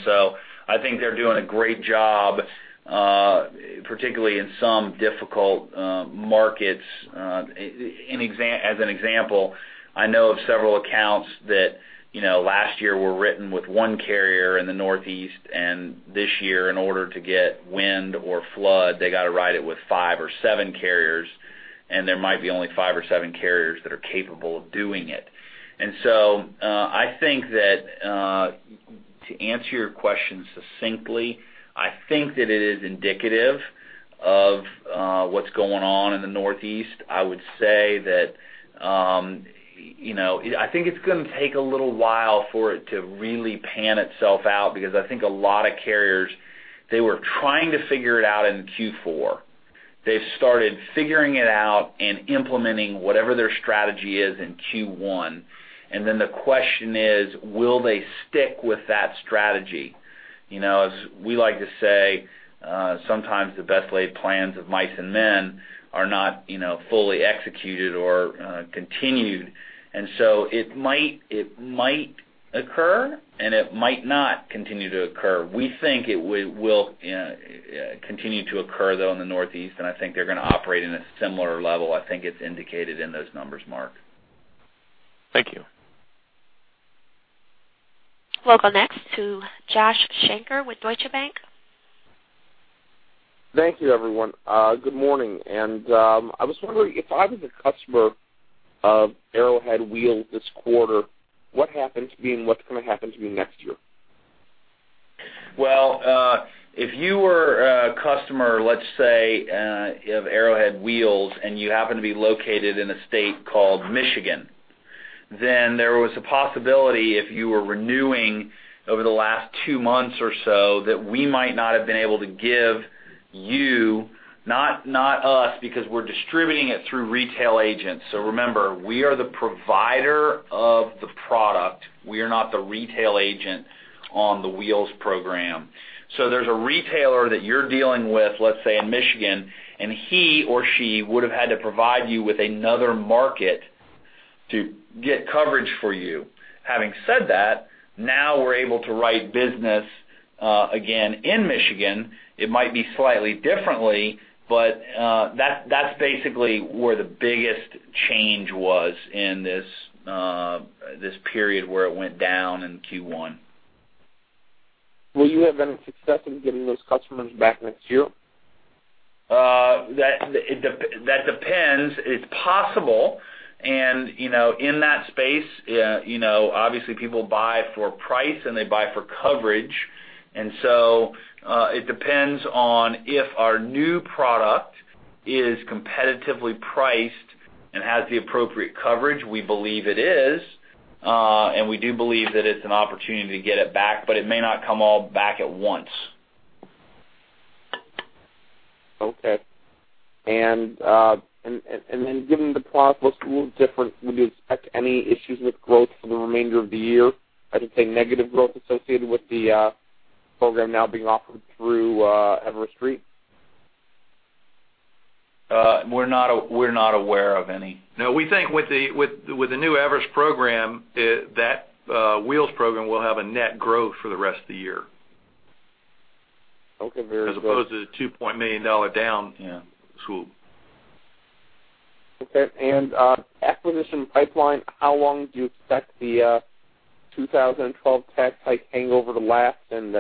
I think they're doing a great job, particularly in some difficult markets. As an example, I know of several accounts that last year were written with one carrier in the Northeast, and this year, in order to get wind or flood, they got to ride it with five or seven carriers, and there might be only five or seven carriers that are capable of doing it. I think that to answer your question succinctly, I think that it is indicative of what's going on in the Northeast. I would say that I think it's going to take a little while for it to really pan itself out because I think a lot of carriers, they were trying to figure it out in Q4. They've started figuring it out and implementing whatever their strategy is in Q1. Then the question is, will they stick with that strategy? As we like to say, sometimes the best laid plans of mice and men are not fully executed or continued. So it might occur, and it might not continue to occur. We think it will continue to occur, though, in the Northeast, and I think they're going to operate in a similar level. I think it's indicated in those numbers, Mark. Thank you. We'll go next to Josh Shanker with Deutsche Bank. Thank you, everyone. Good morning. I was wondering, if I was a customer of Arrowhead Wheel this quarter, what happened to me and what's going to happen to me next year? Well, if you were a customer, let's say, of Arrowhead Wheels, and you happen to be located in a state called Michigan, then there was a possibility if you were renewing over the last two months or so that we might not have been able to give You, not us, because we're distributing it through retail agents. Remember, we are the provider of the product. We are not the retail agent on the Wheels program. There's a retailer that you're dealing with, let's say in Michigan, and he or she would have had to provide you with another market to get coverage for you. Having said that, now we're able to write business again in Michigan. It might be slightly differently, but that's basically where the biggest change was in this period where it went down in Q1. Will you have any success in getting those customers back next year? That depends. It's possible, in that space obviously people buy for price, and they buy for coverage. It depends on if our new product is competitively priced and has the appropriate coverage. We believe it is. We do believe that it's an opportunity to get it back, but it may not come all back at once. Okay. Given the product looks a little different, would you expect any issues with growth for the remainder of the year, as in, say, negative growth associated with the program now being offered through Everest Re? We're not aware of any. No, we think with the new Everest program, that Wheels program will have a net growth for the rest of the year. Okay, very good. As opposed to the $2.8 million down. Yeah. Acquisition pipeline, how long do you expect the 2012 tax hike hangover to last, and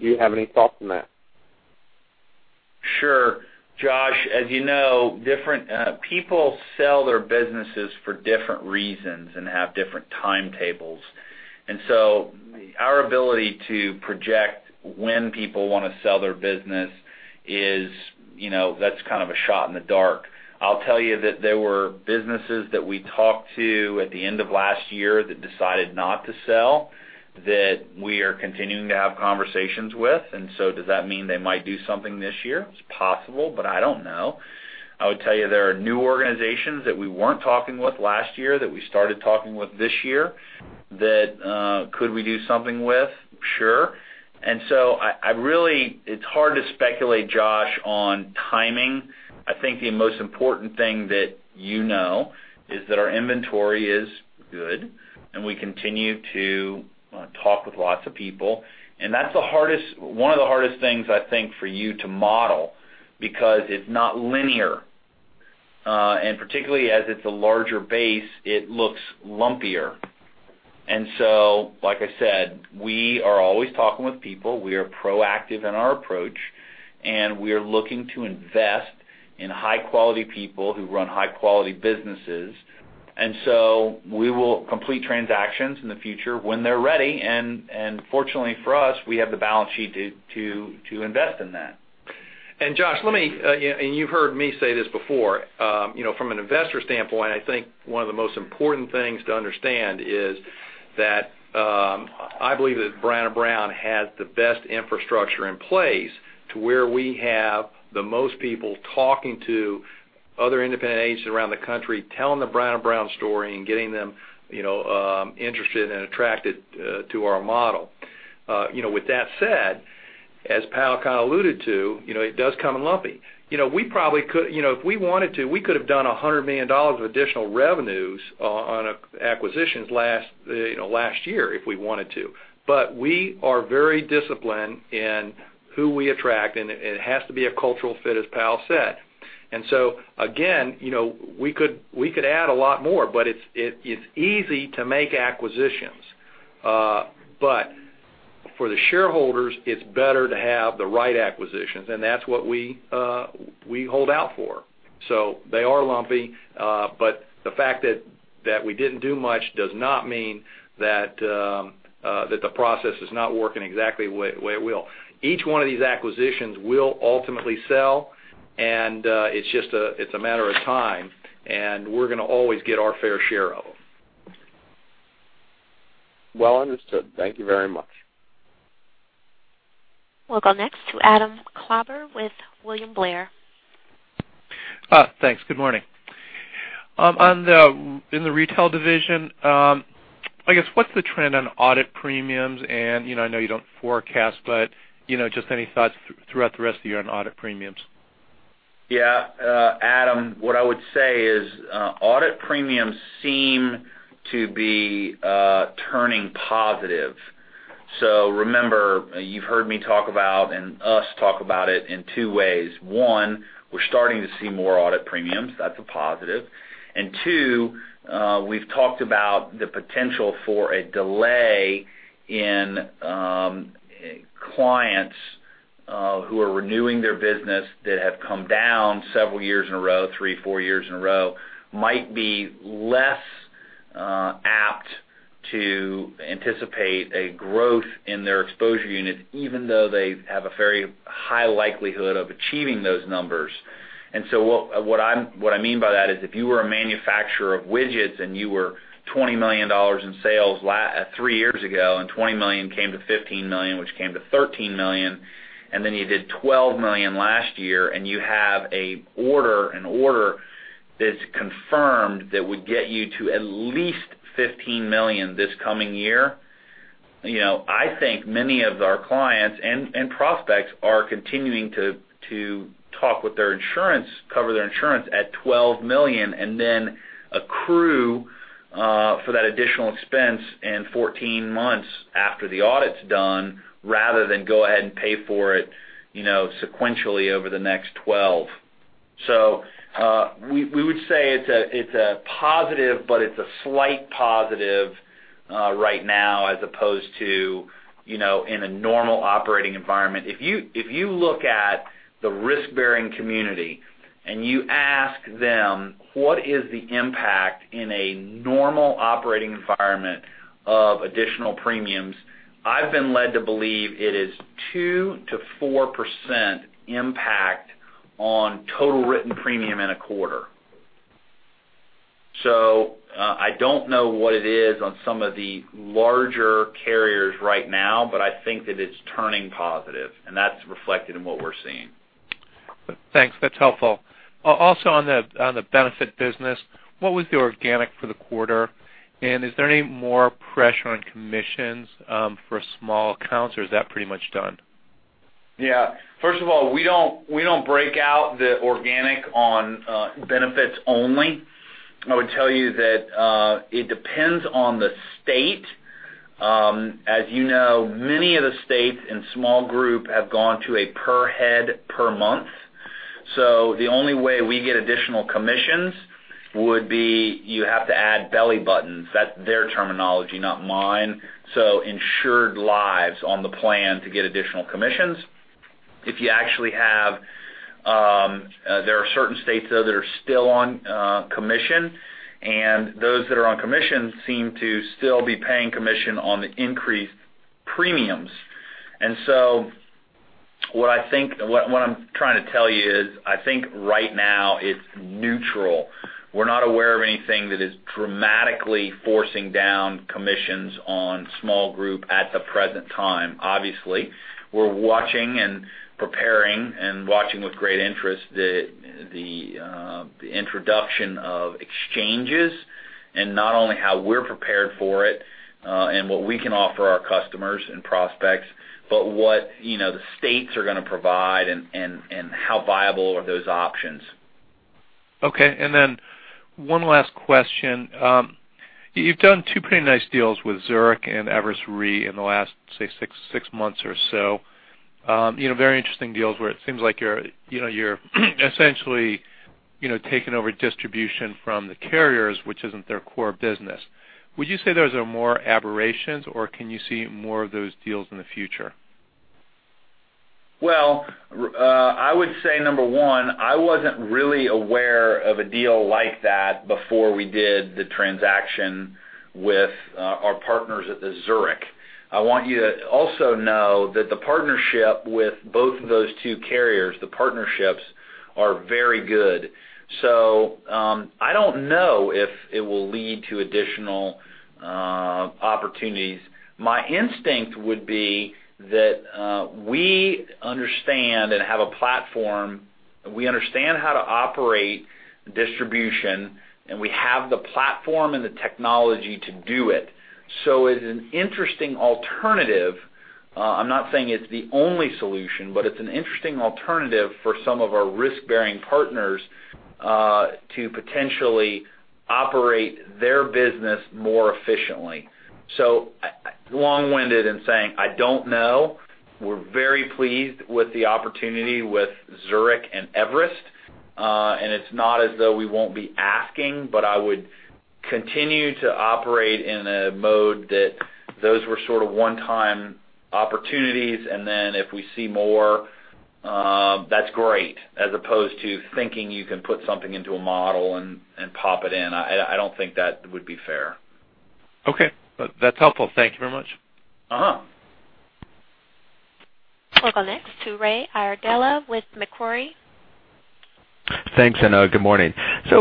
do you have any thoughts on that? Sure. Josh, as you know, different people sell their businesses for different reasons and have different timetables. Our ability to project when people want to sell their business, that's kind of a shot in the dark. I'll tell you that there were businesses that we talked to at the end of last year that decided not to sell, that we are continuing to have conversations with. Does that mean they might do something this year? It's possible, but I don't know. I would tell you there are new organizations that we weren't talking with last year, that we started talking with this year that, could we do something with? Sure. It's hard to speculate, Josh, on timing. I think the most important thing that you know is that our inventory is good, and we continue to talk with lots of people. That's one of the hardest things, I think, for you to model, because it's not linear. Particularly as it's a larger base, it looks lumpier. Like I said, we are always talking with people. We are proactive in our approach, and we are looking to invest in high-quality people who run high-quality businesses. We will complete transactions in the future when they're ready. Fortunately for us, we have the balance sheet to invest in that. Josh, and you've heard me say this before, from an investor standpoint, I think one of the most important things to understand is that I believe that Brown & Brown has the best infrastructure in place to where we have the most people talking to other independent agents around the country, telling the Brown & Brown story and getting them interested and attracted to our model. With that said, as Powell kind of alluded to, it does come in lumpy. If we wanted to, we could have done $100 million of additional revenues on acquisitions last year if we wanted to. We are very disciplined in who we attract, and it has to be a cultural fit, as Powell said. Again, we could add a lot more, but it's easy to make acquisitions. For the shareholders, it's better to have the right acquisitions, and that's what we hold out for. They are lumpy. The fact that we didn't do much does not mean that the process is not working exactly the way it will. Each one of these acquisitions will ultimately sell, and it's a matter of time, and we're going to always get our fair share of them. Well understood. Thank you very much. We'll go next to Adam Klauber with William Blair. Thanks. Good morning. In the Retail division, I guess, what's the trend on audit premiums and I know you don't forecast, just any thoughts throughout the rest of the year on audit premiums? Yeah. Adam, what I would say is audit premiums seem to be turning positive. Remember, you've heard me talk about and us talk about it in two ways. One, we're starting to see more audit premiums. That's a positive. Two, we've talked about the potential for a delay in clients who are renewing their business that have come down several years in a row, three, four years in a row, might be less apt to anticipate a growth in their exposure unit, even though they have a very high likelihood of achieving those numbers. What I mean by that is if you were a manufacturer of widgets and you were $20 million in sales three years ago, and $20 million came to $15 million, which came to $13 million, and then you did $12 million last year, and you have an order that's confirmed that would get you to at least $15 million this coming year. I think many of our clients and prospects are continuing to talk with their insurance, cover their insurance at $12 million, and then accrue for that additional expense in 14 months after the audit's done, rather than go ahead and pay for it sequentially over the next 12. We would say it's a positive, but it's a slight positive right now as opposed to in a normal operating environment. If you look at the risk-bearing community and you ask them what is the impact in a normal operating environment of additional premiums, I've been led to believe it is 2%-4% impact on total written premium in a quarter. I don't know what it is on some of the larger carriers right now, but I think that it's turning positive, and that's reflected in what we're seeing. Thanks. That's helpful. Also, on the benefit business, what was the organic for the quarter? Is there any more pressure on commissions for small accounts, or is that pretty much done? Yeah. First of all, we don't break out the organic on benefits only. I would tell you that it depends on the state. As you know, many of the states in small group have gone to a per head, per month. The only way we get additional commissions would be you have to add belly buttons. That's their terminology, not mine. Insured lives on the plan to get additional commissions. There are certain states, though, that are still on commission, and those that are on commission seem to still be paying commission on the increased premiums. What I'm trying to tell you is, I think right now it's neutral. We're not aware of anything that is dramatically forcing down commissions on small group at the present time. Obviously, we're watching and preparing and watching with great interest the introduction of exchanges, and not only how we're prepared for it and what we can offer our customers and prospects, but what the states are going to provide and how viable are those options. Okay, one last question. You've done two pretty nice deals with Zurich and Everest Re in the last, say, six months or so. Very interesting deals where it seems like you're essentially taking over distribution from the carriers, which isn't their core business. Would you say those are more aberrations, or can you see more of those deals in the future? Well, I would say, number 1, I wasn't really aware of a deal like that before we did the transaction with our partners at the Zurich. I want you to also know that the partnership with both of those two carriers, the partnerships are very good. I don't know if it will lead to additional opportunities. My instinct would be that we understand and have a platform. We understand how to operate distribution, and we have the platform and the technology to do it. It's an interesting alternative. I'm not saying it's the only solution, but it's an interesting alternative for some of our risk-bearing partners to potentially operate their business more efficiently. Long-winded in saying, I don't know. We're very pleased with the opportunity with Zurich and Everest. It's not as though we won't be asking, but I would continue to operate in a mode that those were sort of one-time opportunities, and then if we see more, that's great, as opposed to thinking you can put something into a model and pop it in. I don't think that would be fair. Okay. That's helpful. Thank you very much. We'll go next to Ray Iardella with Macquarie. Thanks, and good morning.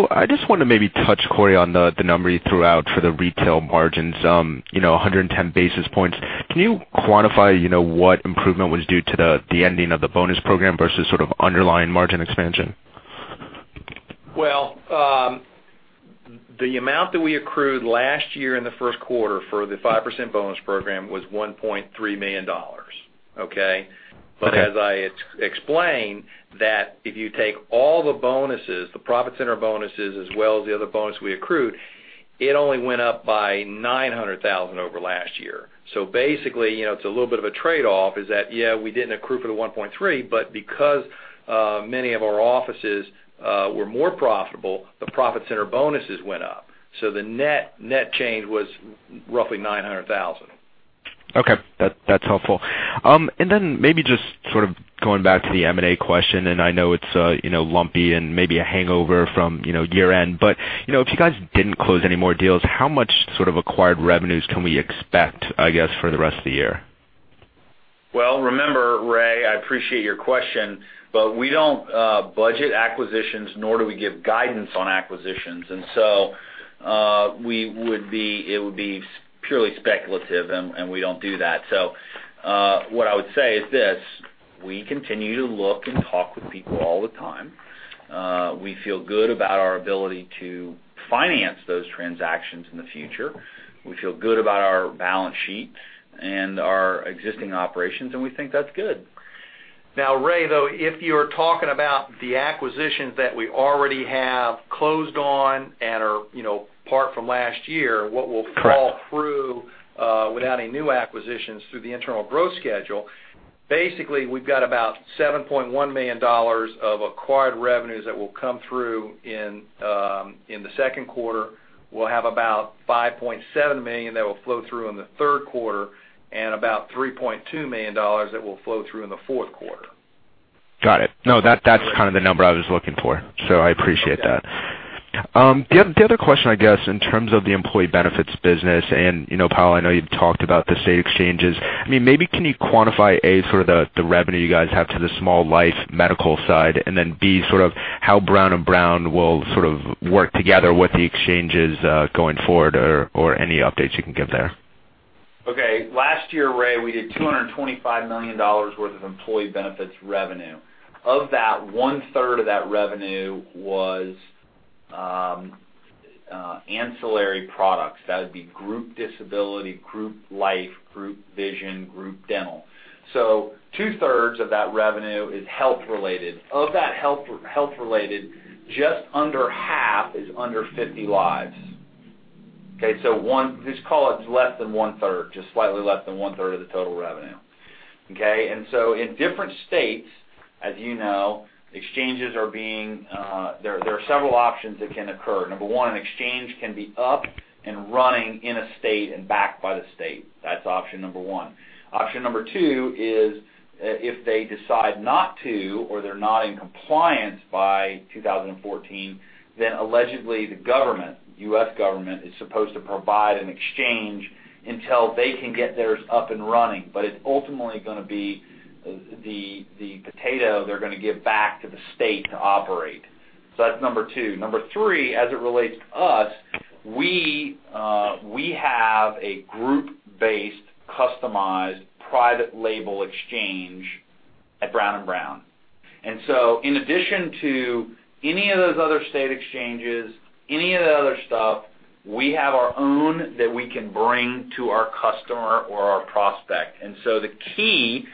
I just want to maybe touch, Cory, on the number you threw out for the retail margins, 110 basis points. Can you quantify what improvement was due to the ending of the bonus program versus sort of underlying margin expansion? Well, the amount that we accrued last year in the first quarter for the 5% bonus program was $1.3 million. Okay? Okay. As I explained that if you take all the bonuses, the profit center bonuses, as well as the other bonus we accrued, it only went up by $900,000 over last year. Basically, it's a little bit of a trade-off, is that, yeah, we didn't accrue for the $1.3, but because many of our offices were more profitable, the profit center bonuses went up. The net change was roughly $900,000. Okay. That's helpful. Then maybe just sort of going back to the M&A question, and I know it's lumpy and maybe a hangover from year-end, but if you guys didn't close any more deals, how much sort of acquired revenues can we expect, I guess, for the rest of the year? Well, remember, Ray, I appreciate your question, but we don't budget acquisitions, nor do we give guidance on acquisitions. It would be purely speculative, and we don't do that. What I would say is this, we continue to look and talk with people all the time. We feel good about our ability to finance those transactions in the future. We feel good about our balance sheet and our existing operations, and we think that's good. Ray, though, if you're talking about the acquisitions that we already have closed on and are part from last year, what will fall through without any new acquisitions through the internal growth schedule, basically we've got about $7.1 million of acquired revenues that will come through in the second quarter. We'll have about $5.7 million that will flow through in the third quarter, and about $3.2 million that will flow through in the fourth quarter. Got it. That's kind of the number I was looking for, so I appreciate that. The other question, I guess, in terms of the employee benefits business, Powell, I know you've talked about the state exchanges. Maybe can you quantify, A, sort of the revenue you guys have to the small life medical side, and then, B, sort of how Brown & Brown will sort of work together with the exchanges going forward or any updates you can give there? Okay. Last year, Ray, we did $225 million worth of employee benefits revenue. Of that, one-third of that revenue was ancillary products. That would be group disability, group life, group vision, group dental. Two-thirds of that revenue is health related. Of that health related, just under half is under 50 lives. Okay, just call it less than one-third, just slightly less than one-third of the total revenue. Okay? In different states, as you know, there are several options that can occur. Number one, an exchange can be up and running in a state and backed by the state. That's option number one. Option number two is if they decide not to or they're not in compliance by 2014, then allegedly the government, U.S. government, is supposed to provide an exchange until they can get theirs up and running. It's ultimately going to be the potato they're going to give back to the state to operate. That's number two. Number three, as it relates to us, we have a group-based customized private label exchange at Brown & Brown. In addition to any of those other state exchanges, any of that other stuff, we have our own that we can bring to our customer or our prospect. The key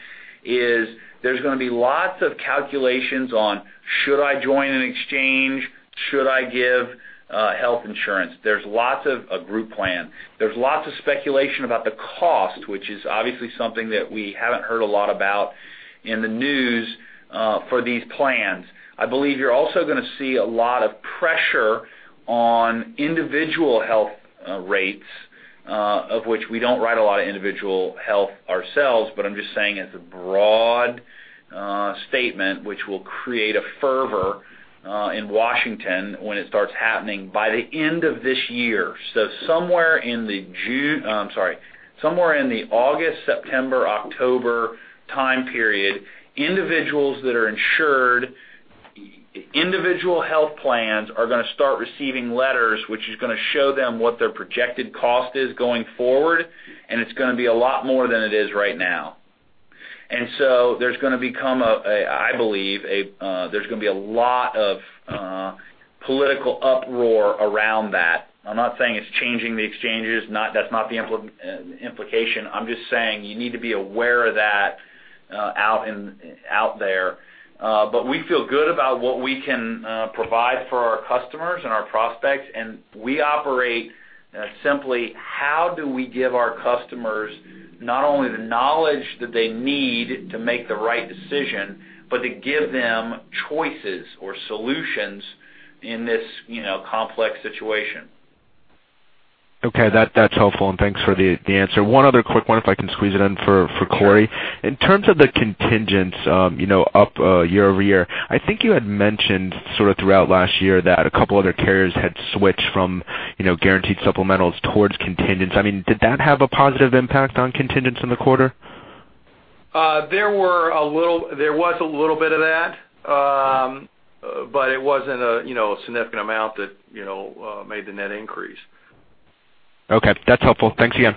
is there's going to be lots of calculations on should I join an exchange? Should I give health insurance? A group plan. There's lots of speculation about the cost, which is obviously something that we haven't heard a lot about in the news for these plans. I believe you're also going to see a lot of pressure on individual health rates, of which we don't write a lot of individual health ourselves, but I'm just saying as a broad statement, which will create a fervor in Washington when it starts happening by the end of this year. Somewhere in the August, September, October time period, individuals that are insured individual health plans are going to start receiving letters, which is going to show them what their projected cost is going forward, and it's going to be a lot more than it is right now. There's going to become, I believe, there's going to be a lot of political uproar around that. I'm not saying it's changing the exchanges. That's not the implication. I'm just saying you need to be aware of that out there. We feel good about what we can provide for our customers and our prospects, and we operate simply how do we give our customers not only the knowledge that they need to make the right decision, but to give them choices or solutions in this complex situation. Okay. That's helpful, and thanks for the answer. One other quick one if I can squeeze it in for Cory. In terms of the contingents up year-over-year, I think you had mentioned sort of throughout last year that a couple other carriers had switched from Guaranteed Supplementals towards contingents. Did that have a positive impact on contingents in the quarter? There was a little bit of that, but it wasn't a significant amount that made the net increase. Okay. That's helpful. Thanks again.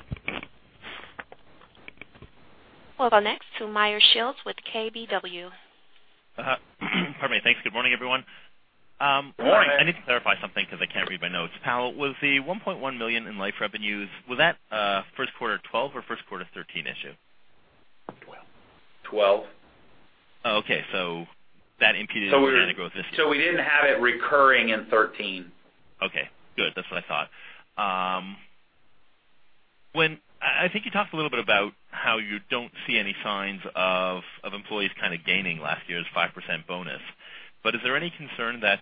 We'll go next to Meyer Shields with KBW. Pardon me. Thanks. Good morning, everyone. Morning. I need to clarify something because I can't read my notes. Powell, was the $1.1 million in life revenues, was that first quarter 2012 or first quarter 2013 issue? '12. Okay. That impeded organic growth this year. We didn't have it recurring in 2013. Okay, good. That's what I thought. I think you talked a little bit about how you don't see any signs of employees kind of gaining last year's 5% bonus, but is there any concern that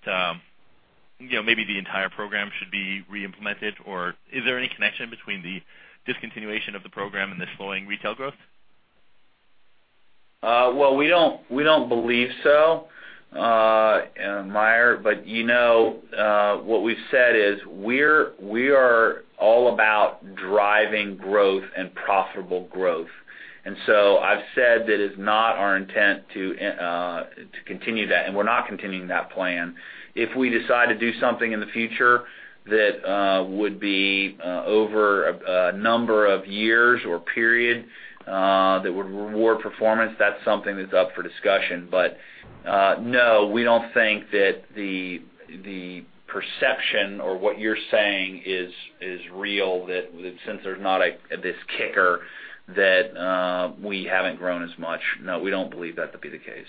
maybe the entire program should be re-implemented, or is there any connection between the discontinuation of the program and the slowing retail growth? Well, we don't believe so, Meyer. What we've said is we are all about driving growth and profitable growth. I've said that it's not our intent to continue that, and we're not continuing that plan. If we decide to do something in the future that would be over a number of years or period, that would reward performance, that's something that's up for discussion. No, we don't think that the perception or what you're saying is real, that since there's not this kicker, that we haven't grown as much. No, we don't believe that to be the case.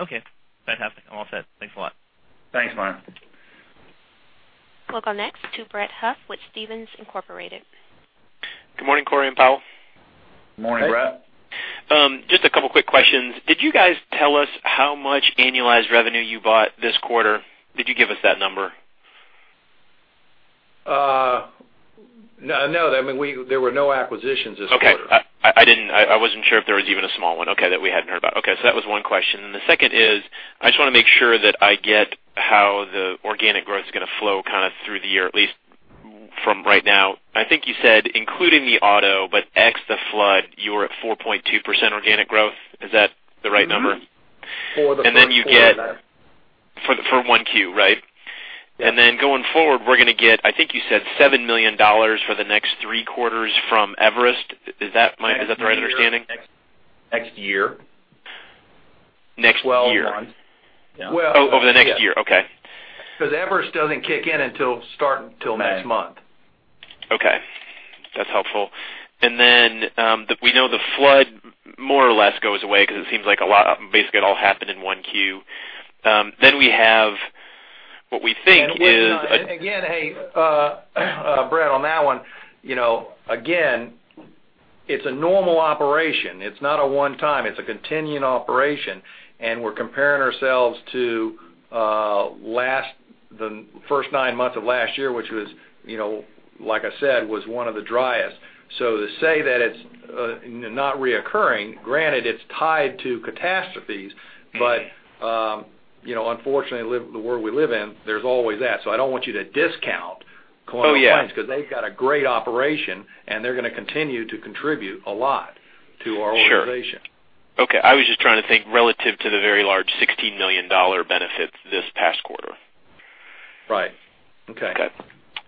Okay. Fantastic. I'm all set. Thanks a lot. Thanks, Meyer. We'll go next to Brett Huff with Stephens Inc.. Good morning, Cory and Powell. Morning, Brett. Just a couple quick questions. Did you guys tell us how much annualized revenue you bought this quarter? Did you give us that number? No. There were no acquisitions this quarter. Okay. I wasn't sure if there was even a small one that we hadn't heard about. Okay. That was one question. The second is, I just want to make sure that I get how the organic growth is going to flow through the year, at least from right now. I think you said, including the auto, but X the flood, you're at 4.2% organic growth. Is that the right number? For the first quarter, yeah. For one Q, right? Yeah. Going forward, we're going to get, I think you said, $7 million for the next three quarters from Everest. Is that the right understanding? Next year. Next year. 12 months. Over the next year, okay. Everest doesn't kick in until next month. Okay. That's helpful. We know the flood more or less goes away because it seems like basically it all happened in one quarter. We have what we think is. Brett, on that one, it's a normal operation. It's not a one-time, it's a continuing operation. We're comparing ourselves to the first nine months of last year, which like I said, was one of the driest. To say that it's not reoccurring, granted, it's tied to catastrophes. Unfortunately, the world we live in, there's always that. I don't want you to discount Colonial Claims because they've got a great operation, and they're going to continue to contribute a lot to our organization. Sure. Okay. I was just trying to think relative to the very large $16 million benefit this past quarter. Right. Okay. Okay.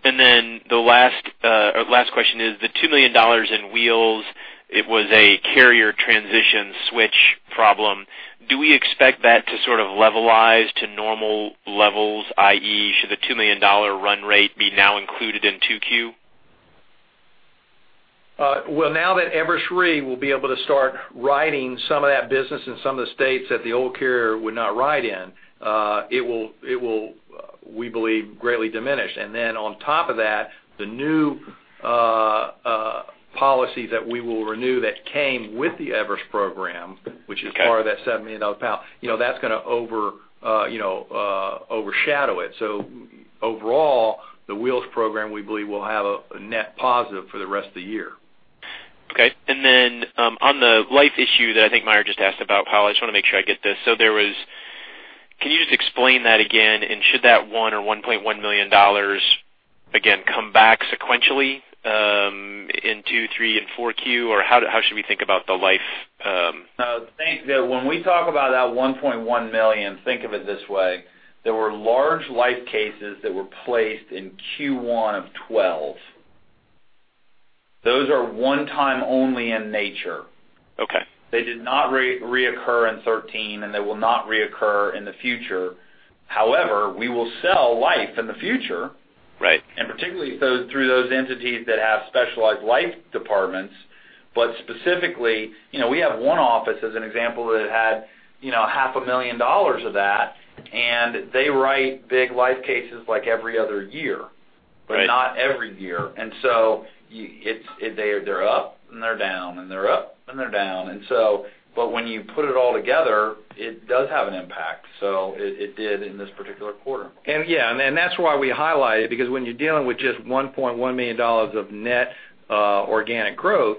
The last question is, the $2 million in wheels, it was a carrier transition switch problem. Do we expect that to levelize to normal levels, i.e., should the $2 million run rate be now included in 2Q? Well, now that Everest Re will be able to start writing some of that business in some of the states that the old carrier would not write in, it will, we believe, greatly diminish. On top of that, the new policy that we will renew that came with the Everest program, which is part of that $7 million payout, that's going to overshadow it. Overall, the Wheels program, we believe, will have a net positive for the rest of the year. Okay. On the life issue that I think Meyer just asked about, Powell, I just want to make sure I get this. Can you just explain that again? Should that $1 or $1.1 million, again, come back sequentially, in Q2, Q3, and Q4, or how should we think about the life- When we talk about that $1.1 million, think of it this way. There were large life cases that were placed in Q1 of 2012. Those are one time only in nature. Okay. They did not reoccur in 2013, they will not reoccur in the future. However, we will sell life in the future. Right. Particularly through those entities that have specialized life departments. Specifically, we have one office as an example that had half a million dollars of that, and they write big life cases like every other year. Right. Not every year. They're up and they're down, and they're up and they're down. When you put it all together, it does have an impact. It did in this particular quarter. Yeah. That's why we highlight it, because when you're dealing with just $1.1 million of net organic growth,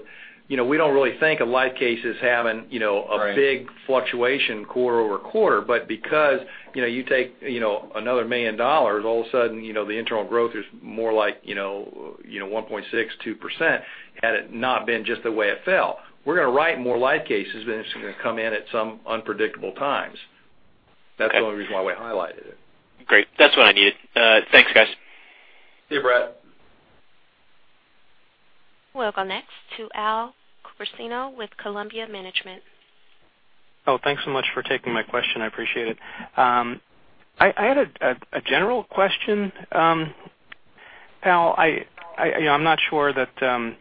we don't really think of life cases having a big fluctuation quarter-over-quarter. Because you take another $1 million, all of a sudden, the internal growth is more like 1.6%, 2%, had it not been just the way it fell. We're going to write more life cases, but it's going to come in at some unpredictable times. Okay. That's the only reason why we highlighted it. Great. That's what I needed. Thanks, guys. See you, Brett. We'll go next to Al Corcino with Columbia Management. Thanks so much for taking my question. I appreciate it. I had a general question. Powell, I'm not sure that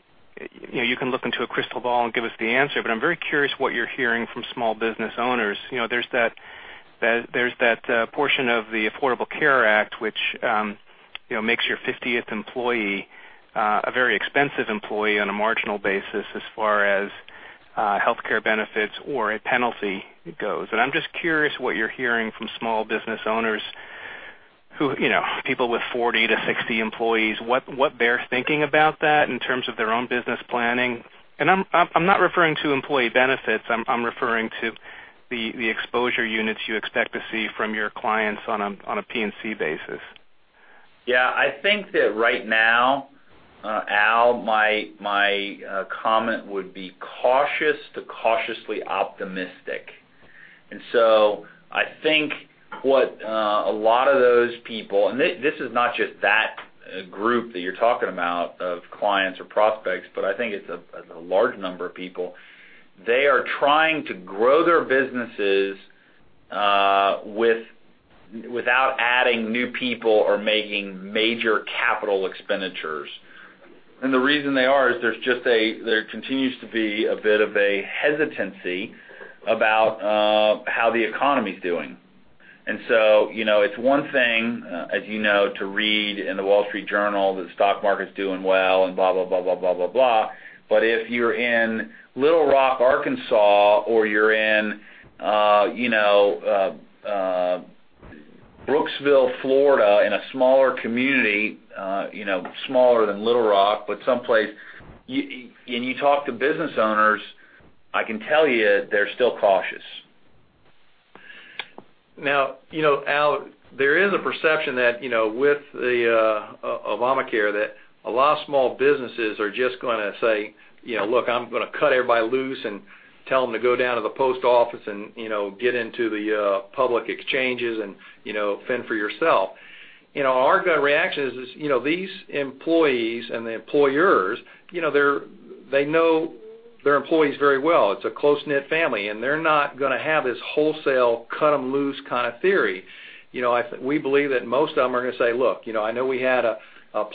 you can look into a crystal ball and give us the answer, but I'm very curious what you're hearing from small business owners. There's that portion of the Affordable Care Act, which makes your 50th employee a very expensive employee on a marginal basis as far as healthcare benefits or a penalty goes. I'm just curious what you're hearing from small business owners people with 40 to 60 employees, what they're thinking about that in terms of their own business planning. I'm not referring to employee benefits, I'm referring to the exposure units you expect to see from your clients on a P&C basis. Yeah. I think that right now, Al, my comment would be cautious to cautiously optimistic. I think what a lot of those people, and this is not just that group that you're talking about of clients or prospects, but I think it's a large number of people. They are trying to grow their businesses without adding new people or making major capital expenditures. The reason they are is there continues to be a bit of a hesitancy about how the economy's doing. It's one thing, as you know, to read in The Wall Street Journal that the stock market's doing well and blah, blah. If you're in Little Rock, Arkansas, or you're in Brooksville, Florida, in a smaller community, smaller than Little Rock, but someplace, and you talk to business owners, I can tell you they're still cautious. Now, Al, there is a perception that with Obamacare, that a lot of small businesses are just going to say, "Look, I'm going to cut everybody loose and tell them to go down to the post office and get into the public exchanges and fend for yourself." Our gut reaction is, these employees and the employers, they know their employees very well. It's a close-knit family, and they're not going to have this wholesale cut-them-loose kind of theory. We believe that most of them are going to say, "Look, I know we had a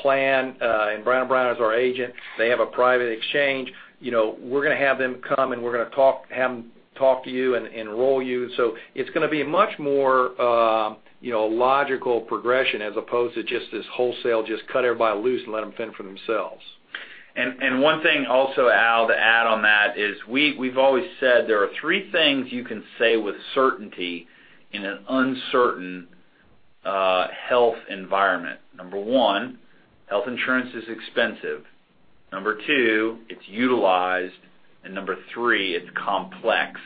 plan, and Brown & Brown is our agent. They have a private exchange. We're going to have them come, and we're going to have them talk to you and enroll you." It's going to be a much more logical progression as opposed to just this wholesale, just cut everybody loose and let them fend for themselves. One thing also, Al, to add on that is we've always said there are three things you can say with certainty in an uncertain health environment. Number 1, health insurance is expensive. Number 2, it's utilized. Number 3, it's complex.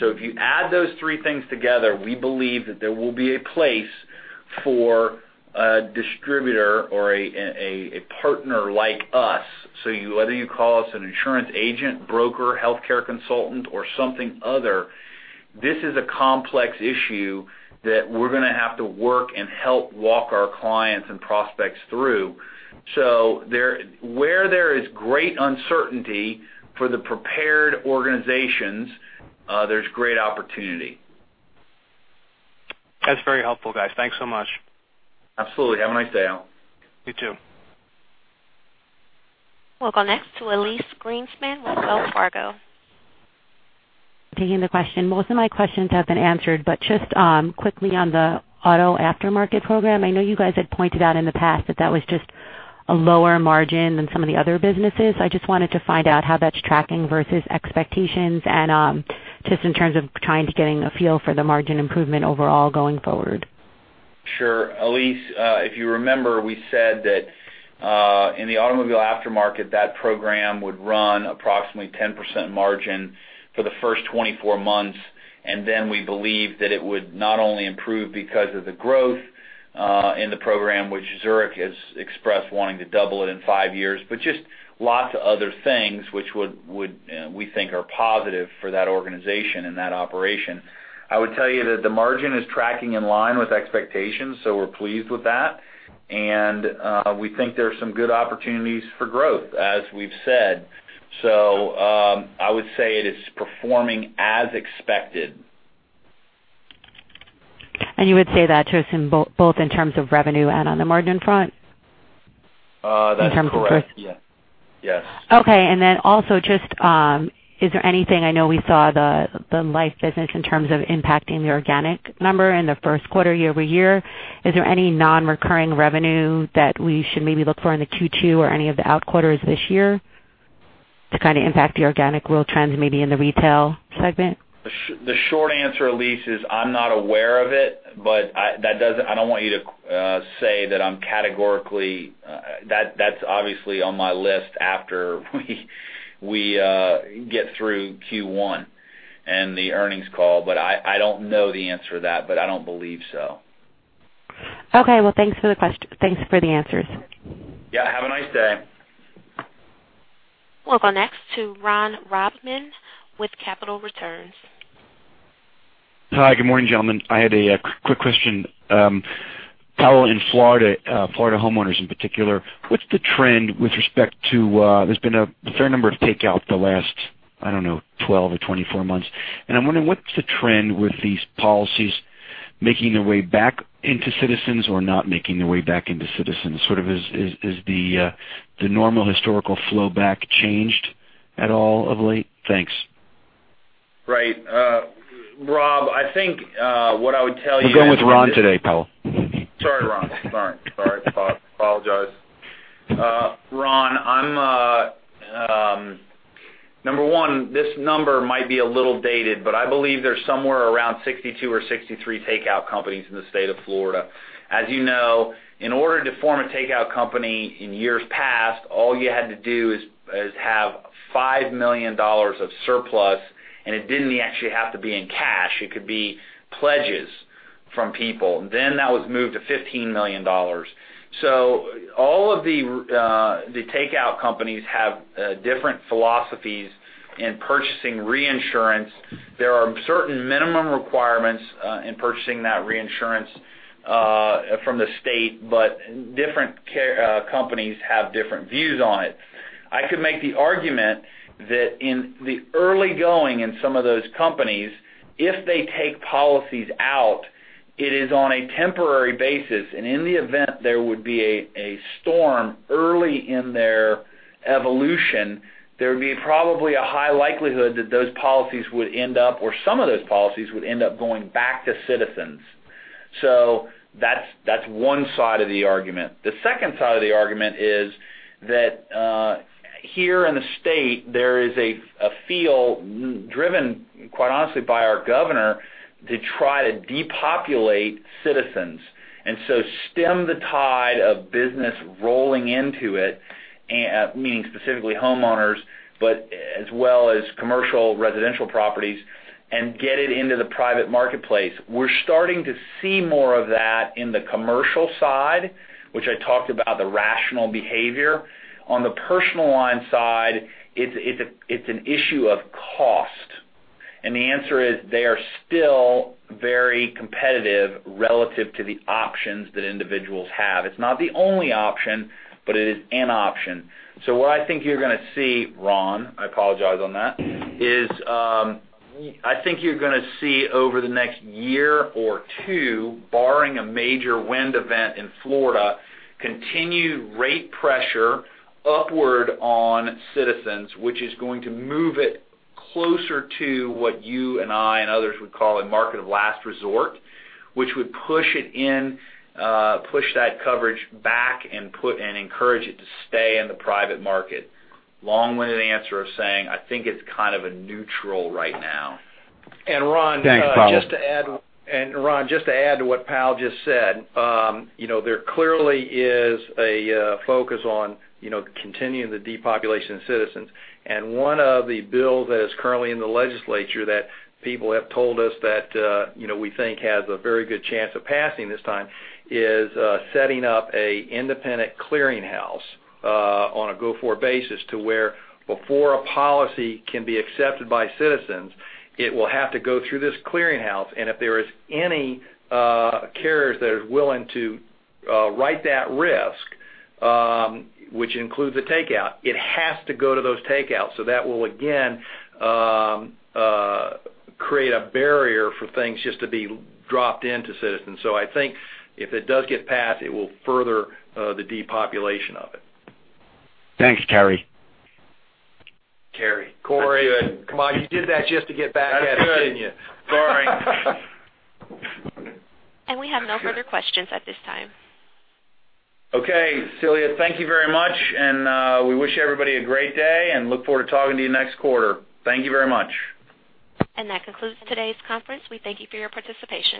If you add those three things together, we believe that there will be a place for a distributor or a partner like us. Whether you call us an insurance agent, broker, healthcare consultant, or something other, this is a complex issue that we're going to have to work and help walk our clients and prospects through. Where there is great uncertainty for the prepared organizations, there's great opportunity. That's very helpful, guys. Thanks so much. Absolutely. Have a nice day, Al. You, too. We'll go next to Elise Greenspan with Wells Fargo. Taking the question. Most of my questions have been answered, but just quickly on the Automotive Aftermarket program, I know you guys had pointed out in the past that that was just a lower margin than some of the other businesses. I just wanted to find out how that's tracking versus expectations, and just in terms of trying to get a feel for the margin improvement overall going forward. Sure. Elise, if you remember, we said that in the Automotive Aftermarket, that program would run approximately 10% margin for the first 24 months. Then we believe that it would not only improve because of the growth in the program, which Zurich has expressed wanting to double it in five years, but just lots of other things which we think are positive for that organization and that operation. I would tell you that the margin is tracking in line with expectations. We're pleased with that. We think there are some good opportunities for growth, as we've said. I would say it is performing as expected. You would say that just both in terms of revenue and on the margin front? That's correct. In terms of just- Yes. Okay. Then also just, is there anything, I know we saw the life business in terms of impacting the organic number in the first quarter year-over-year. Is there any non-recurring revenue that we should maybe look for in the Q2 or any of the out quarters this year to kind of impact the organic real trends, maybe in the retail segment? The short answer, Elise, is I'm not aware of it, but I don't want you to say that. That's obviously on my list after we get through Q1 and the earnings call. I don't know the answer to that, but I don't believe so. Okay. Well, thanks for the answers. Yeah, have a nice day. We'll go next to Ron Bobman with Capital Returns. Hi. Good morning, gentlemen. I had a quick question. Powell, in Florida homeowners in particular, what's the trend with respect to, there's been a fair number of takeout the last, I don't know, 12 or 24 months. I'm wondering, what's the trend with these policies making their way back into Citizens or not making their way back into Citizens? Sort of, is the normal historical flowback changed at all of late? Thanks. Right. Ron, I think what I would tell you. We're going with Ron today, Powell. Sorry, Ron. Sorry. Sorry. Apologize. This number might be a little dated, but I believe there's somewhere around 62 or 63 takeout companies in the state of Florida. As you know, in order to form a takeout company in years past, all you had to do is have $5 million of surplus, and it didn't actually have to be in cash. It could be pledges from people. That was moved to $15 million. All of the takeout companies have different philosophies in purchasing reinsurance. There are certain minimum requirements in purchasing that reinsurance from the state, but different companies have different views on it. I could make the argument that in the early going in some of those companies, if they take policies out, it is on a temporary basis. In the event there would be a storm early in their evolution, there would be probably a high likelihood that those policies would end up, or some of those policies would end up going back to Citizens. That's one side of the argument. The second side of the argument is that, here in the state, there is a feel driven, quite honestly, by our governor to try to depopulate Citizens. Stem the tide of business rolling into it, meaning specifically homeowners, but as well as commercial residential properties, and get it into the private marketplace. We're starting to see more of that in the commercial side, which I talked about the rational behavior. On the personal line side, it's an issue of cost. The answer is they are still very competitive relative to the options that individuals have. It's not the only option, but it is an option. What I think you're going to see, Ron, I apologize on that, is, I think you're going to see over the next year or two, barring a major wind event in Florida, continued rate pressure upward on Citizens, which is going to move it closer to what you and I and others would call a market of last resort, which would push it in, push that coverage back and encourage it to stay in the private market. Long-winded answer of saying, I think it's kind of a neutral right now. Ron- Thanks, Paul just to add, Ron, just to add to what Paul just said, there clearly is a focus on continuing the depopulation of Citizens. One of the bills that is currently in the legislature that people have told us that we think has a very good chance of passing this time is setting up a independent clearinghouse on a go-forward basis to where before a policy can be accepted by Citizens, it will have to go through this clearinghouse. If there is any carriers that is willing to write that risk, which includes a takeout, it has to go to those takeouts. That will again create a barrier for things just to be dropped into Citizens. I think if it does get passed, it will further the depopulation of it. Thanks, Cory. Cory. Cory. That's good. Come on, you did that just to get back at us. That's good didn't you? Sorry. We have no further questions at this time. Okay, Celia, thank you very much, and we wish everybody a great day and look forward to talking to you next quarter. Thank you very much. That concludes today's conference. We thank you for your participation.